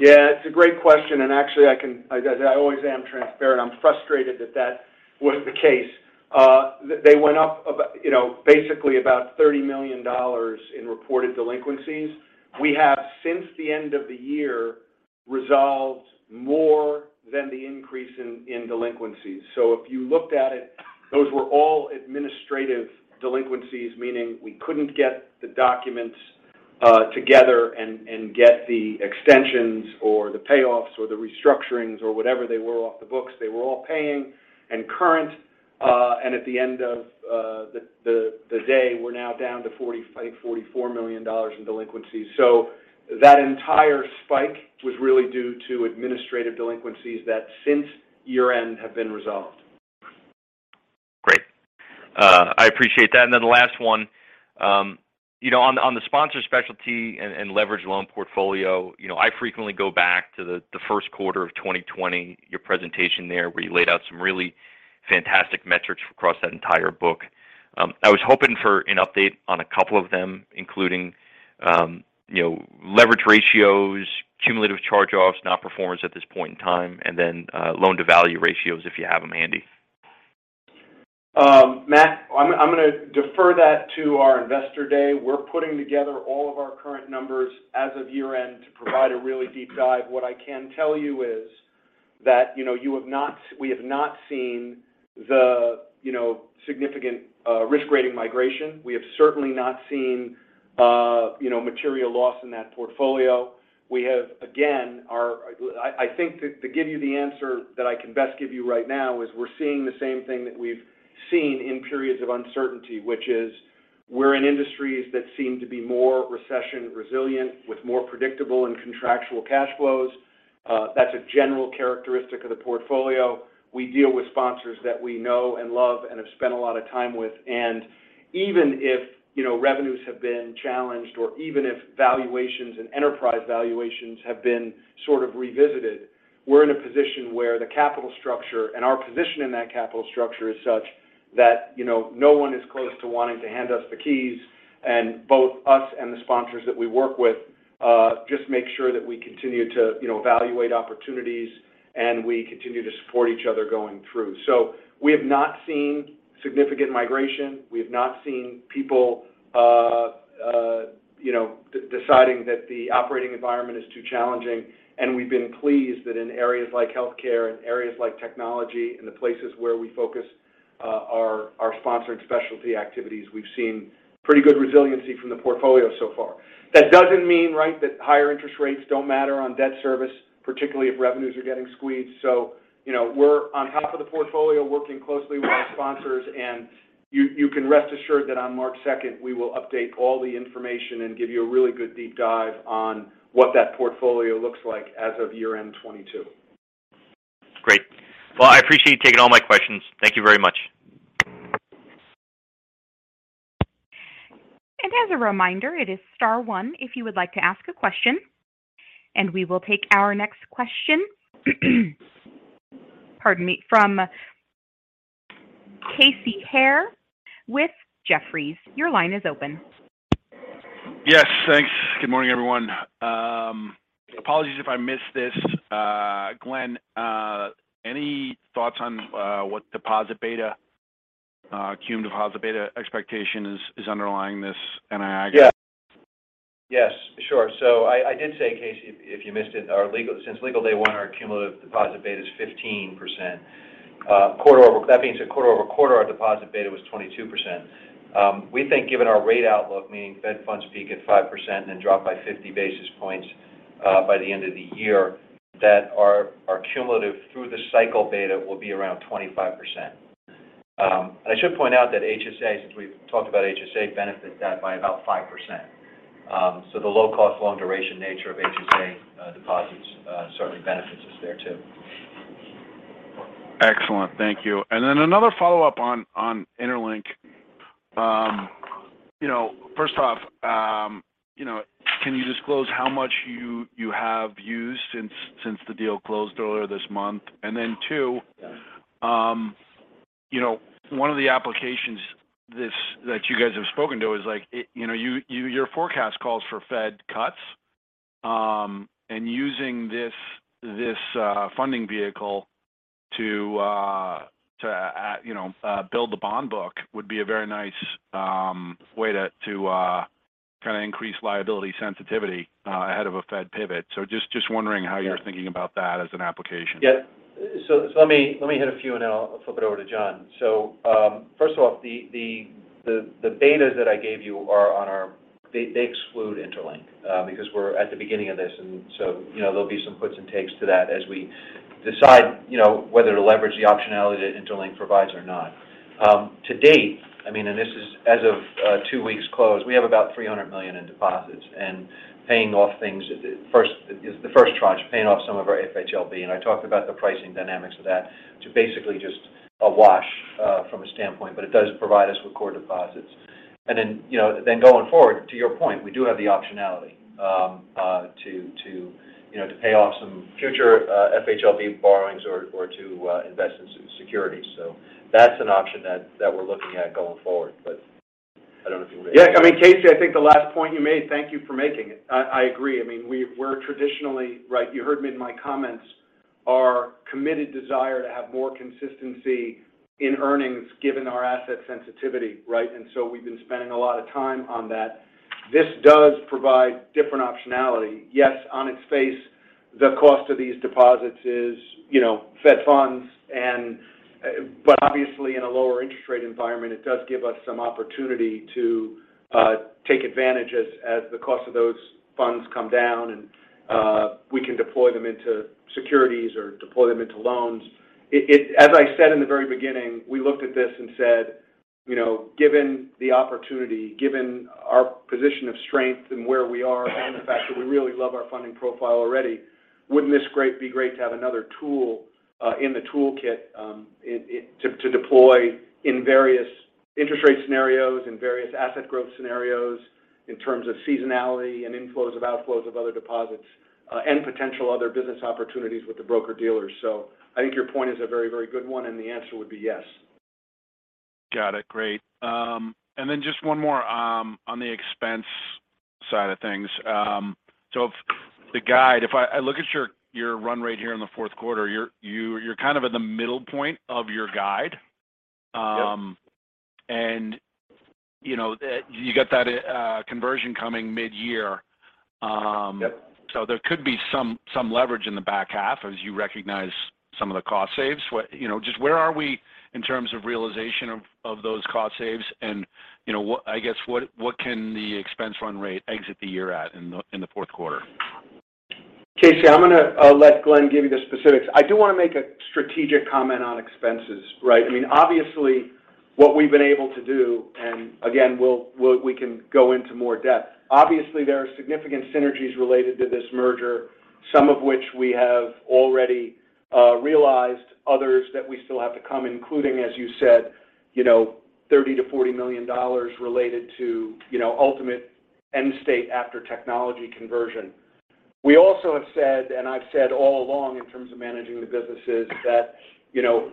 Yeah, it's a great question. Actually, as I always am transparent, I'm frustrated that that was the case. They went up about, you know, basically about $30 million in reported delinquencies. We have, since the end of the year, resolved more than the increase in delinquencies. If you looked at it, those were all administrative delinquencies, meaning we couldn't get the documents together and get the extensions or the payoffs or the restructurings or whatever they were off the books. They were all paying and current. At the end of the day, we're now down to, I think $44 million in delinquencies. That entire spike was really due to administrative delinquencies that since year-end have been resolved. Great. I appreciate that. The last one, you know, on the sponsor specialty and leverage loan portfolio. You know, I frequently go back to the first quarter of 2020, your presentation there where you laid out some really fantastic metrics across that entire book. I was hoping for an update on a couple of them, including, you know, leverage ratios, cumulative charge-offs, non-performance at this point in time, and then loan-to-value ratios, if you have them handy. Matt, I'm gonna defer that to our investor day. We're putting together all of our current numbers as of year-end to provide a really deep dive. What I can tell you is that, you know, we have not seen the, you know, significant risk rating migration. We have certainly not seen, you know, material loss in that portfolio. We have, again, I think to give you the answer that I can best give you right now is we're seeing the same thing that we've seen in periods of uncertainty. Which is we're in industries that seem to be more recession resilient with more predictable and contractual cash flows. That's a general characteristic of the portfolio. We deal with sponsors that we know and love and have spent a lot of time with. Even if, you know, revenues have been challenged or even if valuations and enterprise valuations have been sort of revisited, we're in a position where the capital structure and our position in that capital structure is such that, you know, no one is close to wanting to hand us the keys. Both us and the sponsors that we work with, just make sure that we continue to, you know, evaluate opportunities and we continue to support each other going through. We have not seen significant migration. We have not seen people, You know, deciding that the operating environment is too challenging. We've been pleased that in areas like healthcare and areas like technology, and the places where we focus, our sponsored specialty activities, we've seen pretty good resiliency from the portfolio so far. That doesn't mean, right, that higher interest rates don't matter on debt service, particularly if revenues are getting squeezed. You know, we're on top of the portfolio working closely with our sponsors. You can rest assured that on March 2nd, we will update all the information and give you a really good deep dive on what that portfolio looks like as of year-end 2022. Great. Well, I appreciate you taking all my questions. Thank you very much. As a reminder, it is star one if you would like to ask a question. We will take our next question pardon me, from Casey Haire with Jefferies. Your line is open. Yes, thanks. Good morning, everyone. Apologies if I missed this. Glenn, any thoughts on what deposit beta, cumulative deposit beta expectation is underlying this NII guide? Yes, sure. I did say, Casey, if you missed it, since legal day ene, our cumulative deposit beta is 15%. That means that quarter-over-quarter, our deposit beta was 22%. We think given our rate outlook, meaning Fed Funds peak at 5% and then drop by 50 basis points by the end of the year, that our cumulative through the cycle beta will be around 25%. I should point out that HSA, since we've talked about HSA, benefit that by about 5%. The low cost, long duration nature of HSA deposits certainly benefits us there too. Excellent. Thank you. Another follow-up on interLINK. You know, first off, you know, can you disclose how much you have used since the deal closed earlier this month? Two, you know, one of the applications that you guys have spoken to is like, you know, you, your forecast calls for Fed cuts, and using this funding vehicle to to at, you know, build the bond book would be a very nice way to to kind of increase liability sensitivity ahead of a Fed pivot. Just wondering how you're thinking about that as an application? Yeah. Let me hit a few and then I'll flip it over to John Ciulla. First off, the betas that I gave you are they exclude interLINK because we're at the beginning of this. You know, there'll be some puts and takes to that as we decide, you know, whether to leverage the optionality that interLINK provides or not. To date, I mean, this is as of two weeks closed, we have about $300 million in deposits and paying off things at the first is the first tranche, paying off some of our FHLB. I talked about the pricing dynamics of that to basically just a wash from a standpoint, it does provide us with core deposits. You know, then going forward, to your point, we do have the optionality to, you know, to pay off some future FHLB borrowings or to invest in securities. That's an option that we're looking at going forward. I don't know if you want to add anything. Yeah. I mean, Casey, I think the last point you made, thank you for making it. I agree. I mean, we're traditionally, right, you heard me in my comments, our committed desire to have more consistency in earnings given our asset sensitivity, right? We've been spending a lot of time on that. This does provide different optionality. Yes, on its face, the cost of these deposits is, you know, Fed Funds. Obviously in a lower interest rate environment, it does give us some opportunity to take advantage as the cost of those funds come down. We can deploy them into securities or deploy them into loans. As I said in the very beginning, we looked at this and said, you know, given the opportunity, given our position of strength and where we are and the fact that we really love our funding profile already, wouldn't this be great to have another tool in the toolkit to deploy in various interest rate scenarios and various asset growth scenarios in terms of seasonality and inflows of outflows of other deposits, and potential other business opportunities with the broker-dealers. I think your point is a very, very good one, and the answer would be yes. Got it. Great. Just one more, on the expense side of things. If the guide, if I look at your run rate here in the fourth quarter, you're kind of at the middle point of your guide. Yep. You know that you got that conversion coming mid-year. Yep. There could be some leverage in the back half as you recognize some of the cost saves. You know, just where are we in terms of realization of those cost saves and, you know, I guess, what can the expense run rate exit the year at in the fourth quarter? Casey, I'm going to let Glenn give you the specifics. I do want to make a strategic comment on expenses, right? I mean, obviously, what we've been able to do, and again, we can go into more depth. Obviously, there are significant synergies related to this merger, some of which we have already realized, others that we still have to come, including, as you said, you know, $30 million-$40 million related to, you know, ultimate end state after technology conversion. We also have said, and I've said all along in terms of managing the businesses that, you know,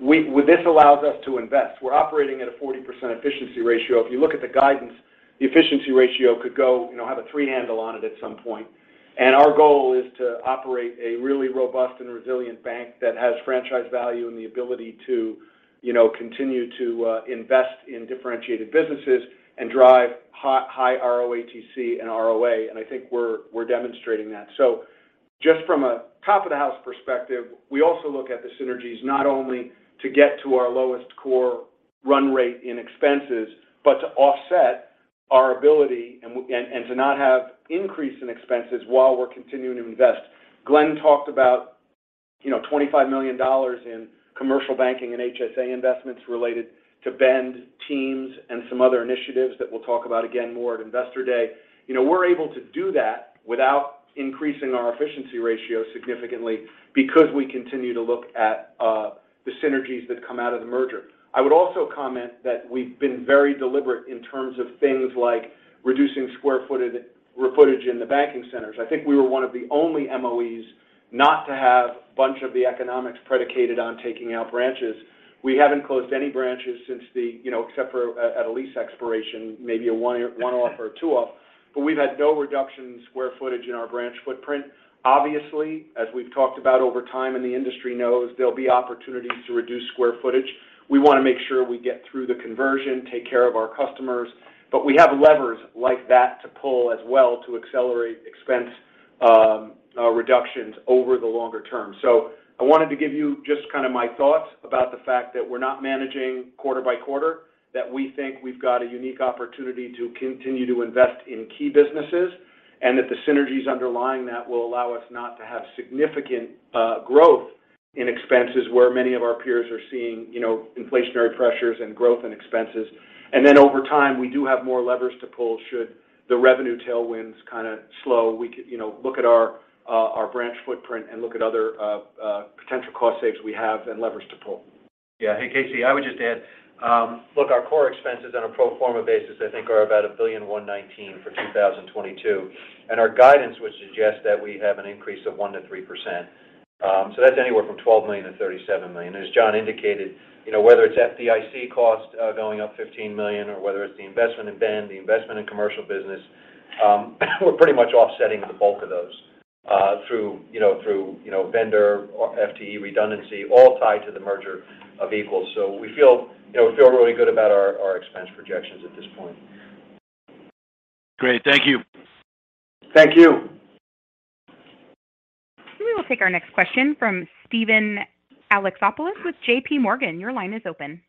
with this allows us to invest. We're operating at a 40% efficiency ratio. If you look at the guidance, the efficiency ratio could go, you know, have a three handle on it at some point. Our goal is to operate a really robust and resilient bank that has franchise value and the ability to, you know, continue to invest in differentiated businesses and drive high ROATC and ROA, and I think we're demonstrating that. Just from a top of the house perspective, we also look at the synergies, not only to get to our lowest core run rate in expenses, but to offset our ability and to not have increase in expenses while we're continuing to invest. Glenn talked about, you know, $25 million in commercial banking and HSA investments related to Bend, Teams, and some other initiatives that we'll talk about again more at Investor Day. You know, we're able to do that without increasing our efficiency ratio significantly because we continue to look at the synergies that come out of the merger. I would also comment that we've been very deliberate in terms of things like reducing square footage in the banking centers. I think we were one of the only MOEs not to have a bunch of the economics predicated on taking out branches. We haven't closed any branches since the, you know, except for at a lease expiration, maybe a one-off or a two-off. We've had no reduction in square footage in our branch footprint. Obviously, as we've talked about over time and the industry knows, there'll be opportunities to reduce square footage. We want to make sure we get through the conversion, take care of our customers. We have levers like that to pull as well to accelerate expense reductions over the longer term. I wanted to give you just kind of my thoughts about the fact that we're not managing quarter by quarter, that we think we've got a unique opportunity to continue to invest in key businesses, and that the synergies underlying that will allow us not to have significant growth in expenses where many of our peers are seeing, you know, inflationary pressures and growth and expenses. Over time, we do have more levers to pull should the revenue tailwinds kind of slow. We could, you know, look at our branch footprint and look at other potential cost saves we have and levers to pull. Yeah. Hey, Casey, I would just add, look, our core expenses on a pro forma basis I think are about $1.119 billion for 2022. Our guidance would suggest that we have an increase of 1%-3%. That's anywhere from $12 million-$37 million. As John indicated, you know, whether it's FDIC cost going up $15 million or whether it's the investment in Bend, the investment in commercial business, we're pretty much offsetting the bulk of those through vendor or FTE redundancy, all tied to the merger of equals. We feel, you know, really good about our expense projections at this point. Great. Thank you. Thank you. We will take our next question from Steven Alexopoulos with JPMorgan. Your line is open.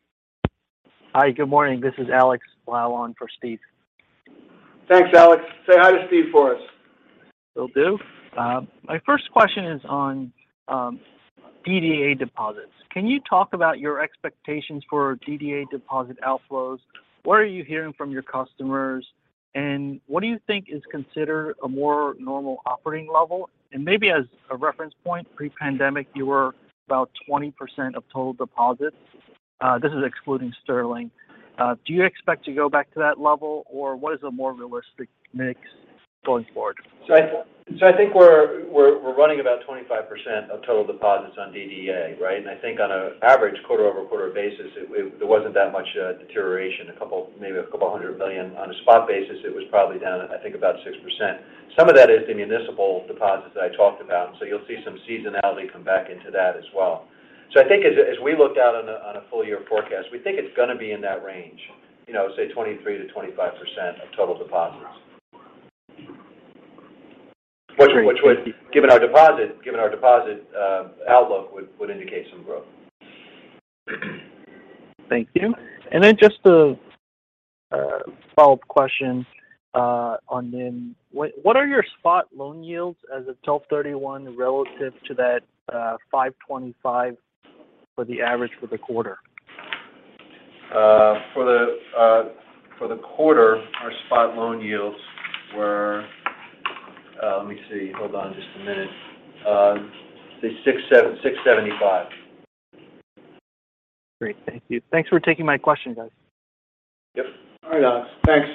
Hi. Good morning. This is Alex Lau for Steve. Thanks, Alex. Say hi to Steve for us. Will do. My first question is on DDA deposits. Can you talk about your expectations for DDA deposit outflows? What are you hearing from your customers, and what do you think is considered a more normal operating level? Maybe as a reference point, pre-pandemic, you were about 20% of total deposits. This is excluding Sterling. Do you expect to go back to that level, or what is a more realistic mix going forward? I think we're running about 25% of total deposits on DDA, right. I think on a average quarter-over-quarter basis, there wasn't that much deterioration, maybe a couple hundred million. On a spot basis, it was probably down, I think about 6%. Some of that is the municipal deposits that I talked about, you'll see some seasonality come back into that as well. I think as we look out on a full year forecast, we think it's going to be in that range. You know, say 23%-25% of total deposits. Which would given our deposit outlook would indicate some growth. Thank you. Just a follow-up question. What are your spot loan yields as of 12/31 relative to that 5.25% for the average for the quarter? For the quarter, our spot loan yields were, let me see. Hold on just a minute. say 6.75%. Great. Thank you. Thanks for taking my question, guys. Yep. All right, Alex. Thanks.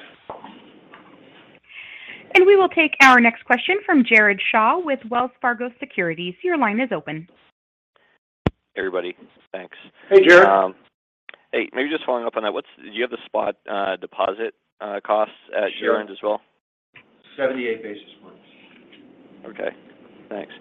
We will take our next question from Jared Shaw with Wells Fargo Securities. Your line is open. Hey, everybody. Thanks. Hey, Jared. hey, maybe just following up on that. Do you have the spot, deposit, costs at? Sure... year-end as well? 78 basis points. Okay. Thanks.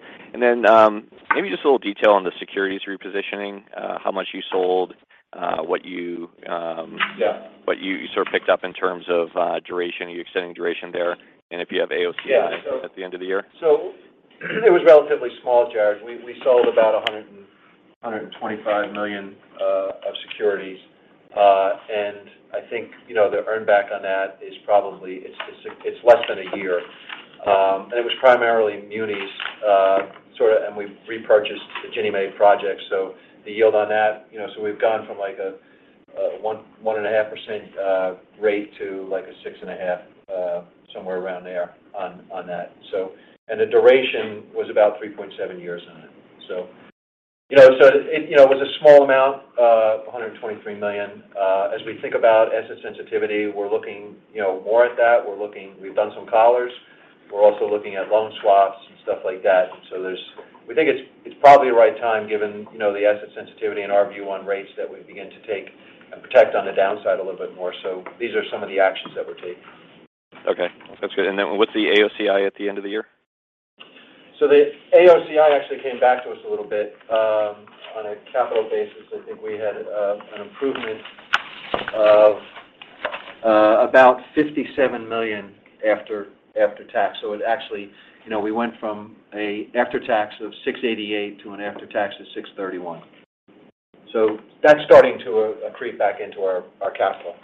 Maybe just a little detail on the securities repositioning, how much you sold, what you. Yeah... what you sort of picked up in terms of duration. Are you extending duration there? If you have AOCI-. Yeah. at the end of the year. It was relatively small, Jared. We sold about $125 million of securities. I think, you know, the earn back on that is probably it's less than one year. It was primarily MUNIS, and we repurchased the Ginnie Mae project. The yield on that, you know, we've gone from like a 1%, 1.5% rate to like a 6.5% on that. The duration was about 3.7 years on it. You know, it was a small amount, $123 million. We think about asset sensitivity, we're looking, you know, more at that. We've done some collars. We're also looking at loan swaps. Like that. We think it's probably the right time given, you know, the asset sensitivity and our view on rates that we begin to take and protect on the downside a little bit more. These are some of the actions that we're taking. Okay, that's good. Then what's the AOCI at the end of the year? The AOCI actually came back to us a little bit. On a capital basis, I think we had an improvement of about $57 million after tax. You know, we went from a after tax of $688 to an after tax of $631. That's starting to accrete back into our capital.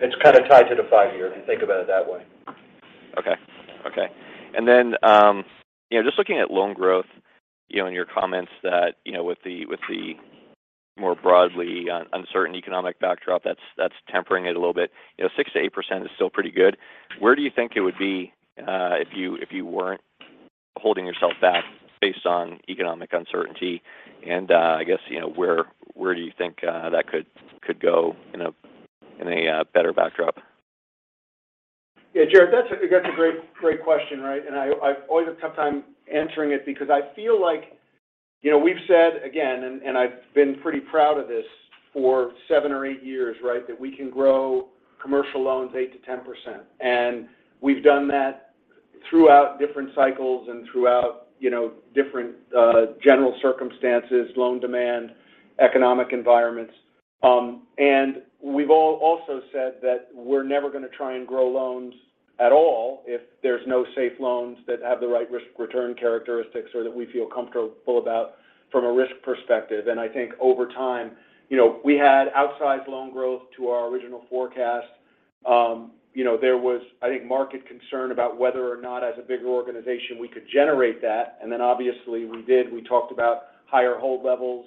It's kind of tied to the five-year if you think about it that way. Okay. Okay. Then, you know, just looking at loan growth, you know, in your comments that, you know, with the more broadly uncertain economic backdrop, that's tempering it a little bit. You know, 6% to 8% is still pretty good. Where do you think it would be if you weren't holding yourself back based on economic uncertainty? I guess, you know, where do you think that could go in a better backdrop? Yeah, Jared, that's a great question, right? I always have a tough time answering it because I feel like, you know, we've said again, and I've been pretty proud of this for seven or eight years, right? That we can grow commercial loans 8%-10%. We've also said that we're never gonna try and grow loans at all if there's no safe loans that have the right risk-return characteristics or that we feel comfortable about from a risk perspective. I think over time, you know, we had outsized loan growth to our original forecast. You know, there was, I think, market concern about whether or not as a bigger organization we could generate that. Obviously we did. We talked about higher hold levels,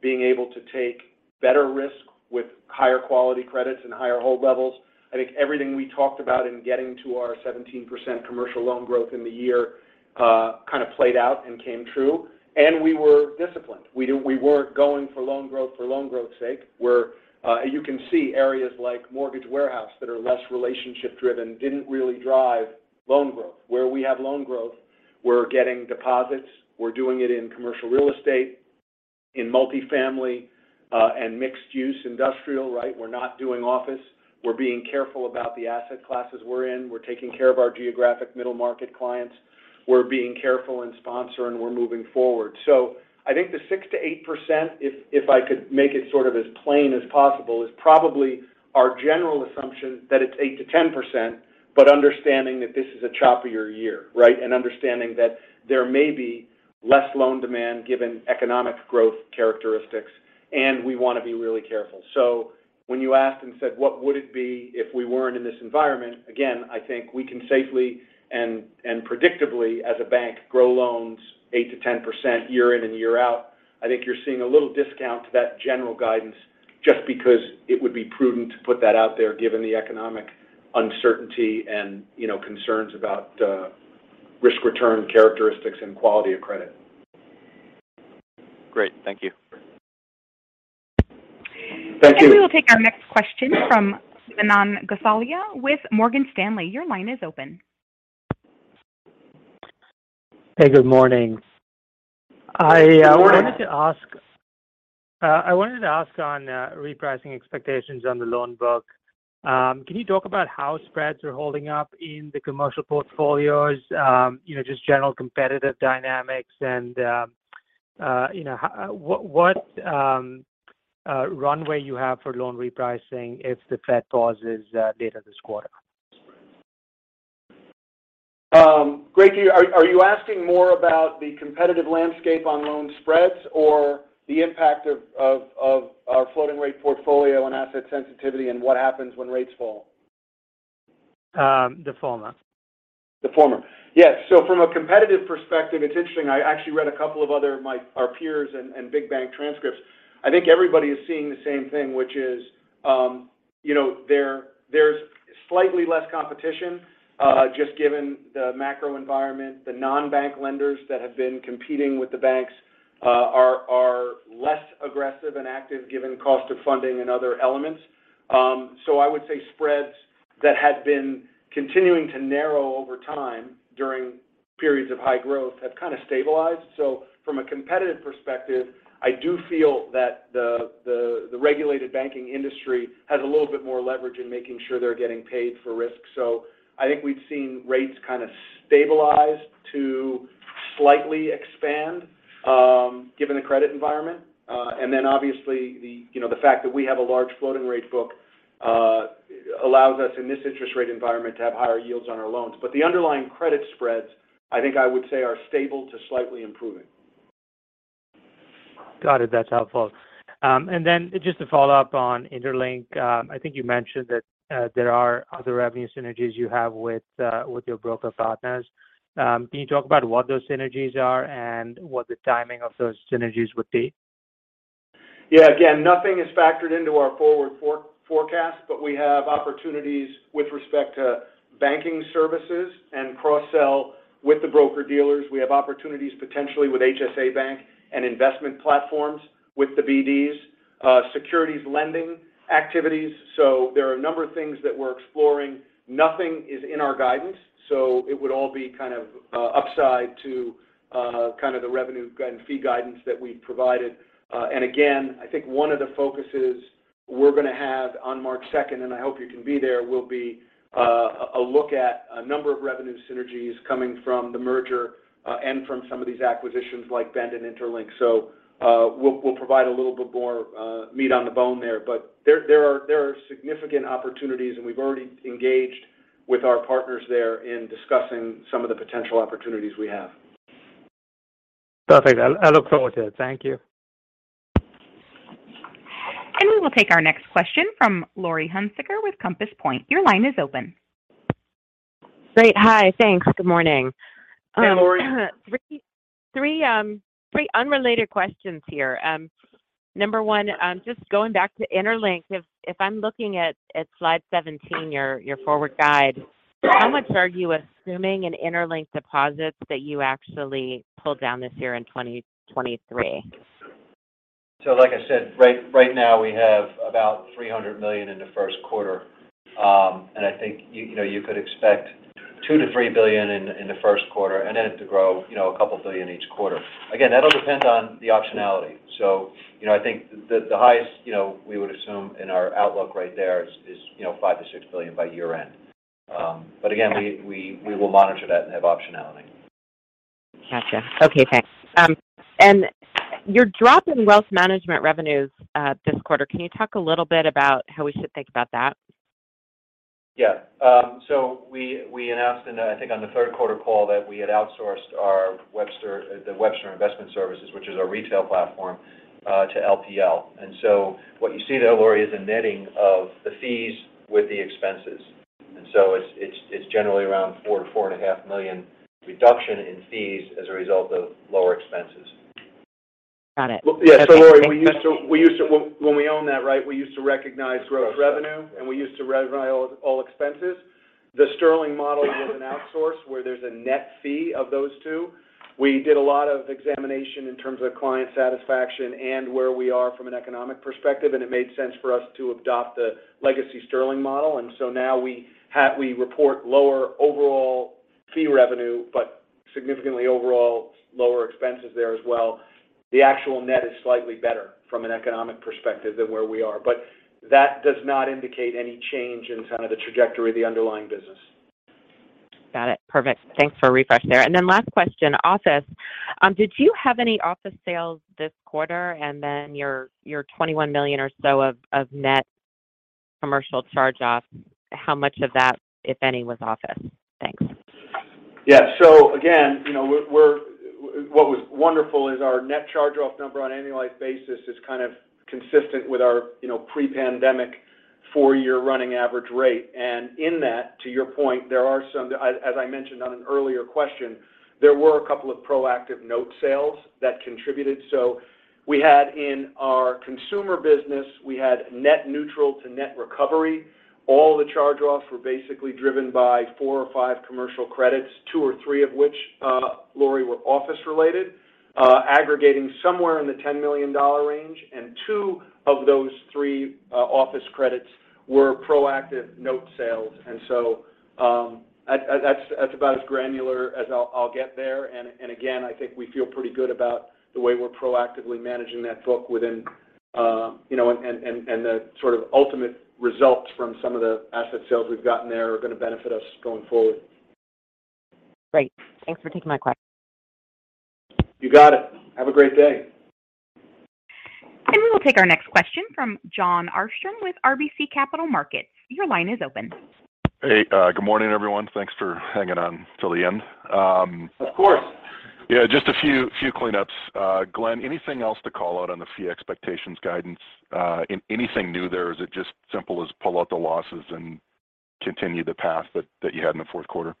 being able to take better risk with higher quality credits and higher hold levels. I think everything we talked about in getting to our 17% commercial loan growth in the year, kind of played out and came true. We were disciplined. We weren't going for loan growth for loan growth sake. You can see areas like mortgage warehouse that are less relationship driven didn't really drive loan growth. Where we have loan growth, we're getting deposits. We're doing it in commercial real estate, in multifamily, and mixed use industrial, right? We're not doing office. We're being careful about the asset classes we're in. We're taking care of our geographic middle market clients. We're being careful in sponsor, and we're moving forward. I think the 6%-8%, if I could make it sort of as plain as possible, is probably our general assumption that it's 8%-10%, but understanding that this is a choppier year, right. Understanding that there may be less loan demand given economic growth characteristics, and we want to be really careful. When you asked and said, what would it be if we weren't in this environment? I think we can safely and predictably as a bank grow loans 8%-10% year in and year out. I think you're seeing a little discount to that general guidance just because it would be prudent to put that out there given the economic uncertainty and, you know, concerns about risk return characteristics and quality of credit. Great. Thank you. Thank you. We will take our next question from Manan Gosalia with Morgan Stanley. Your line is open. Hey, good morning. Good morning. I wanted to ask on repricing expectations on the loan book. Can you talk about how spreads are holding up in the commercial portfolios? You know, just general competitive dynamics and, you know, what runway you have for loan repricing if the Fed pauses later this quarter? Great, are you asking more about the competitive landscape on loan spreads or the impact of our floating rate portfolio on asset sensitivity and what happens when rates fall? The former. The former. Yes. From a competitive perspective, it's interesting. I actually read a couple of other our peers and big bank transcripts. I think everybody is seeing the same thing, which is, you know, there's slightly less competition, just given the macro environment. The non-bank lenders that have been competing with the banks, are less aggressive and active given cost of funding and other elements. I would say spreads that had been continuing to narrow over time during periods of high growth have kind of stabilized. From a competitive perspective, I do feel that the regulated banking industry has a little bit more leverage in making sure they're getting paid for risk. I think we've seen rates kind of stabilize to slightly expand, given the credit environment. Obviously the, you know, the fact that we have a large floating rate book, allows us in this interest rate environment to have higher yields on our loans. The underlying credit spreads, I think I would say are stable to slightly improving. Got it. That's helpful. Just to follow up on interLINK, I think you mentioned that there are other revenue synergies you have with your broker partners. Can you talk about what those synergies are and what the timing of those synergies would be? Yeah. Again, nothing is factored into our forward forecast, we have opportunities with respect to banking services and cross-sell with the broker-dealers. We have opportunities potentially with HSA Bank and investment platforms with the BDs. Securities lending activities. There are a number of things that we're exploring. Nothing is in our guidance, so it would all be kind of upside to kind of the revenue and fee guidance that we provided. Again, I think one of the focuses we're gonna have on March 2nd, and I hope you can be there, will be a look at a number of revenue synergies coming from the merger and from some of these acquisitions like Bend and interLINK. We'll provide a little bit more meat on the bone there. There are significant opportunities, and we've already engaged with our partners there in discussing some of the potential opportunities we have. Perfect. I look forward to it. Thank you. We will take our next question from Laurie Hunsicker with Compass Point. Your line is open. Great. Hi. Thanks. Good morning. Hey, Laurie. Three unrelated questions here. Number one, just going back to interLINK. If I'm looking at slide 17, your forward guide, how much are you assuming in interLINK deposits that you actually pulled down this year in 2023? Like I said, right now we have about $300 million in the first quarter. I think you know, you could expect $2 billion-$3 billion in the first quarter and then it to grow, you know, a couple billion each quarter. Again, that'll depend on the optionality. You know, I think the highest, you know, we would assume in our outlook right there is, you know, $5 billion-$6 billion by year-end. Again. Yeah... we will monitor that and have optionality. Gotcha. Okay, thanks. You're dropping wealth management revenues, this quarter. Can you talk a little bit about how we should think about that? Yeah. We announced in the, I think on the third quarter call that we had outsourced our Webster, the Webster Investment Services, which is our retail platform, to LPL. What you see there, Laurie, is a netting of the fees with the expenses. It's generally around four to four and a half million reduction in fees as a result of lower expenses. Got it. Yeah. Laurie. We used to, when we own that, right, we used to recognize gross revenue, and we used to recognize all expenses. The Sterling model is an outsource where there's a net fee of those two. We did a lot of examination in terms of client satisfaction and where we are from an economic perspective, and it made sense for us to adopt the legacy Sterling model. Now we report lower overall fee revenue, but significantly overall lower expenses there as well. The actual net is slightly better from an economic perspective than where we are. That does not indicate any change in kind of the trajectory of the underlying business. Got it. Perfect. Thanks for refresh there. Last question. Office. Did you have any office sales this quarter? Your $21 million or so of net commercial charge-offs, how much of that, if any, was office? Thanks. Yeah. Again, you know, what was wonderful is our net charge-off number on annualized basis is kind of consistent with our, you know, pre-pandemic four-year running average rate. In that, to your point, there are some, as I mentioned on an earlier question, there were a couple of proactive note sales that contributed. We had in our consumer business, we had net neutral to net recovery. All the charge-offs were basically driven by four or five commercial credits, two or three of which, Laurie, were office related, aggregating somewhere in the $10 million range. Two of those three office credits were proactive note sales. That's about as granular as I'll get there. Again, I think we feel pretty good about the way we're proactively managing that book within, you know, and the sort of ultimate results from some of the asset sales we've gotten there are going to benefit us going forward. Great. Thanks for taking my question. You got it. Have a great day. We will take our next question from Jon Arfstrom with RBC Capital Markets. Your line is open. Hey, good morning, everyone. Thanks for hanging on till the end. Of course. Just a few cleanups. Glenn, anything else to call out on the fee expectations guidance? Anything new there or is it just simple as pull out the losses and continue the path that you had in the fourth quarter?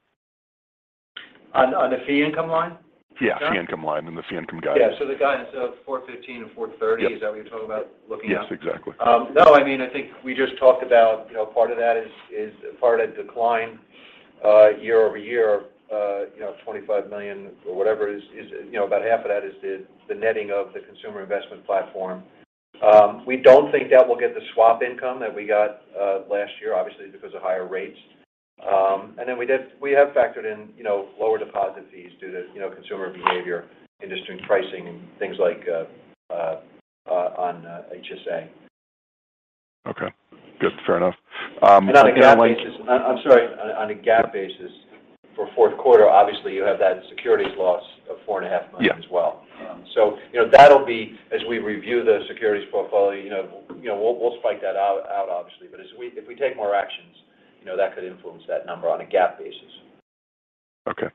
On the fee income line? Yeah. Yeah. Fee income line and the fee income guidance. Yeah. The guidance of $4.15 and $4.30- Yeah... is that what you're talking about looking at? Yes, exactly. No, I mean, I think we just talked about, you know, part of that is part of that decline, year over year, you know, $25 million or whatever is, you know, about half of that is the netting of the consumer investment platform. We don't think that we'll get the swap income that we got last year, obviously because of higher rates. Then we have factored in, you know, lower deposit fees due to, you know, consumer behavior, industry pricing and things like HSA. Okay. Good. Fair enough. On a GAAP basis. I'm sorry. On a GAAP basis for fourth quarter, obviously, you have that securities loss of four and a half million. Yeah... as well. You know, that'll be as we review the securities portfolio, you know, we'll spike that out obviously. If we take more actions, you know, that could influence that number on a GAAP basis. Okay.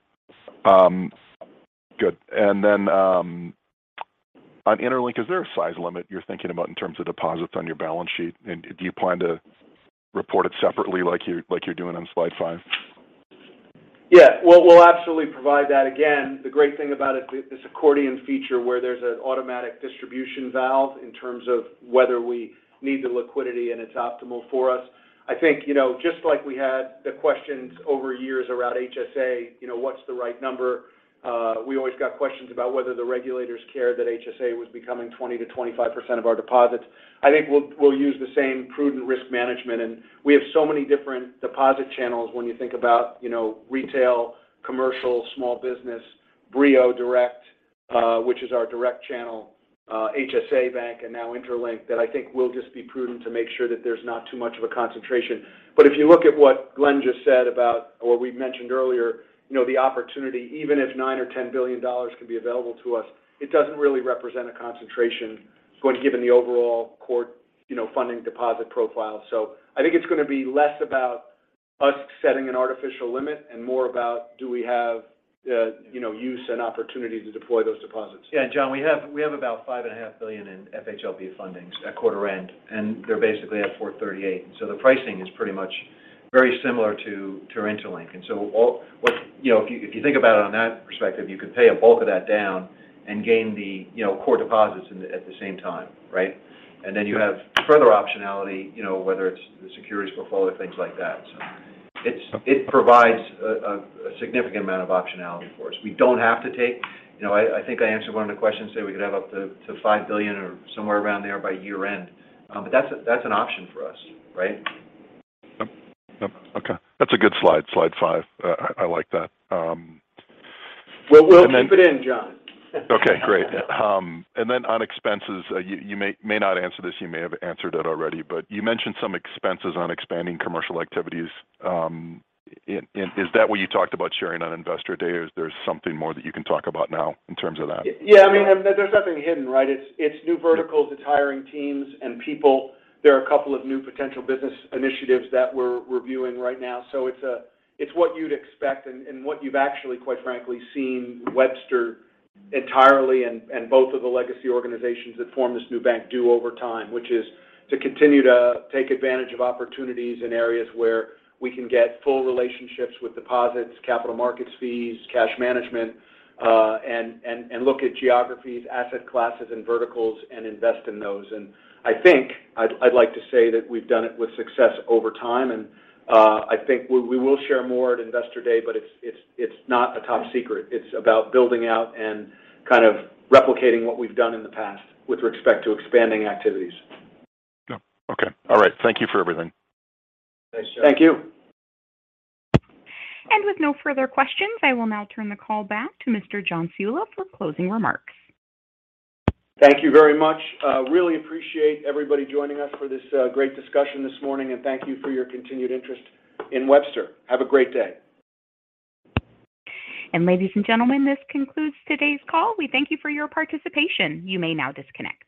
good. Then, on interLINK, is there a size limit you're thinking about in terms of deposits on your balance sheet? Do you plan to report it separately like you're doing on slide five? Yeah. We'll absolutely provide that. Again, the great thing about it, this accordion feature where there's an automatic distribution valve in terms of whether we need the liquidity and it's optimal for us. I think, you know, just like we had the questions over years around HSA, you know, what's the right number? We always got questions about whether the regulators cared that HSA was becoming 20%-25% of our deposits. I think we'll use the same prudent risk management. We have so many different deposit channels when you think about, you know, retail, commercial, small business, BrioDirect, which is our direct channel, HSA Bank, and now interLINK, that I think we'll just be prudent to make sure that there's not too much of a concentration. If you look at what Glenn just said about or we mentioned earlier, you know, the opportunity, even if $9 billion or $10 billion can be available to us, it doesn't really represent a concentration when given the overall core, you know, funding deposit profile. I think it's going to be less about us setting an artificial limit and more about do we have, you know, use and opportunity to deploy those deposits. Jon, we have about $5.5 billion in FHLB fundings at quarter-end, they're basically at 4.38%. The pricing is pretty much very similar to interLINK. You know, if you think about it on that perspective, you could pay a bulk of that down and gain the, you know, core deposits at the same time, right? You have further optionality, you know, whether it's the securities portfolio, things like that. It provides a significant amount of optionality for us. We don't have to take... You know, I think I answered one of the questions saying we could have up to $5 billion or somewhere around there by year-end. That's an option for us, right? Yep. Yep. Okay. That's a good slide five. I like that. We'll keep it in, Jon. Okay, great. On expenses, you may not answer this, you may have answered it already. You mentioned some expenses on expanding commercial activities. Is that what you talked about sharing on Investor Day, or is there something more that you can talk about now in terms of that? I mean, there's nothing hidden, right? It's, it's new verticals. It's hiring teams and people. There are a couple of new potential business initiatives that we're reviewing right now. It's, it's what you'd expect and what you've actually, quite frankly, seen Webster entirely and both of the legacy organizations that form this new bank do over time, which is to continue to take advantage of opportunities in areas where we can get full relationships with deposits, capital markets fees, cash management, and look at geographies, asset classes, and verticals and invest in those. I think I'd like to say that we've done it with success over time. I think we will share more at Investor Day, but it's, it's not a top secret. It's about building out and kind of replicating what we've done in the past with respect to expanding activities. Yeah. Okay. All right. Thank you for everything. Thanks, Jon. Thank you. With no further questions, I will now turn the call back to Mr. John Ciulla for closing remarks. Thank you very much. really appreciate everybody joining us for this great discussion this morning. Thank you for your continued interest in Webster. Have a great day. Ladies and gentlemen, this concludes today's call. We thank you for your participation. You may now disconnect.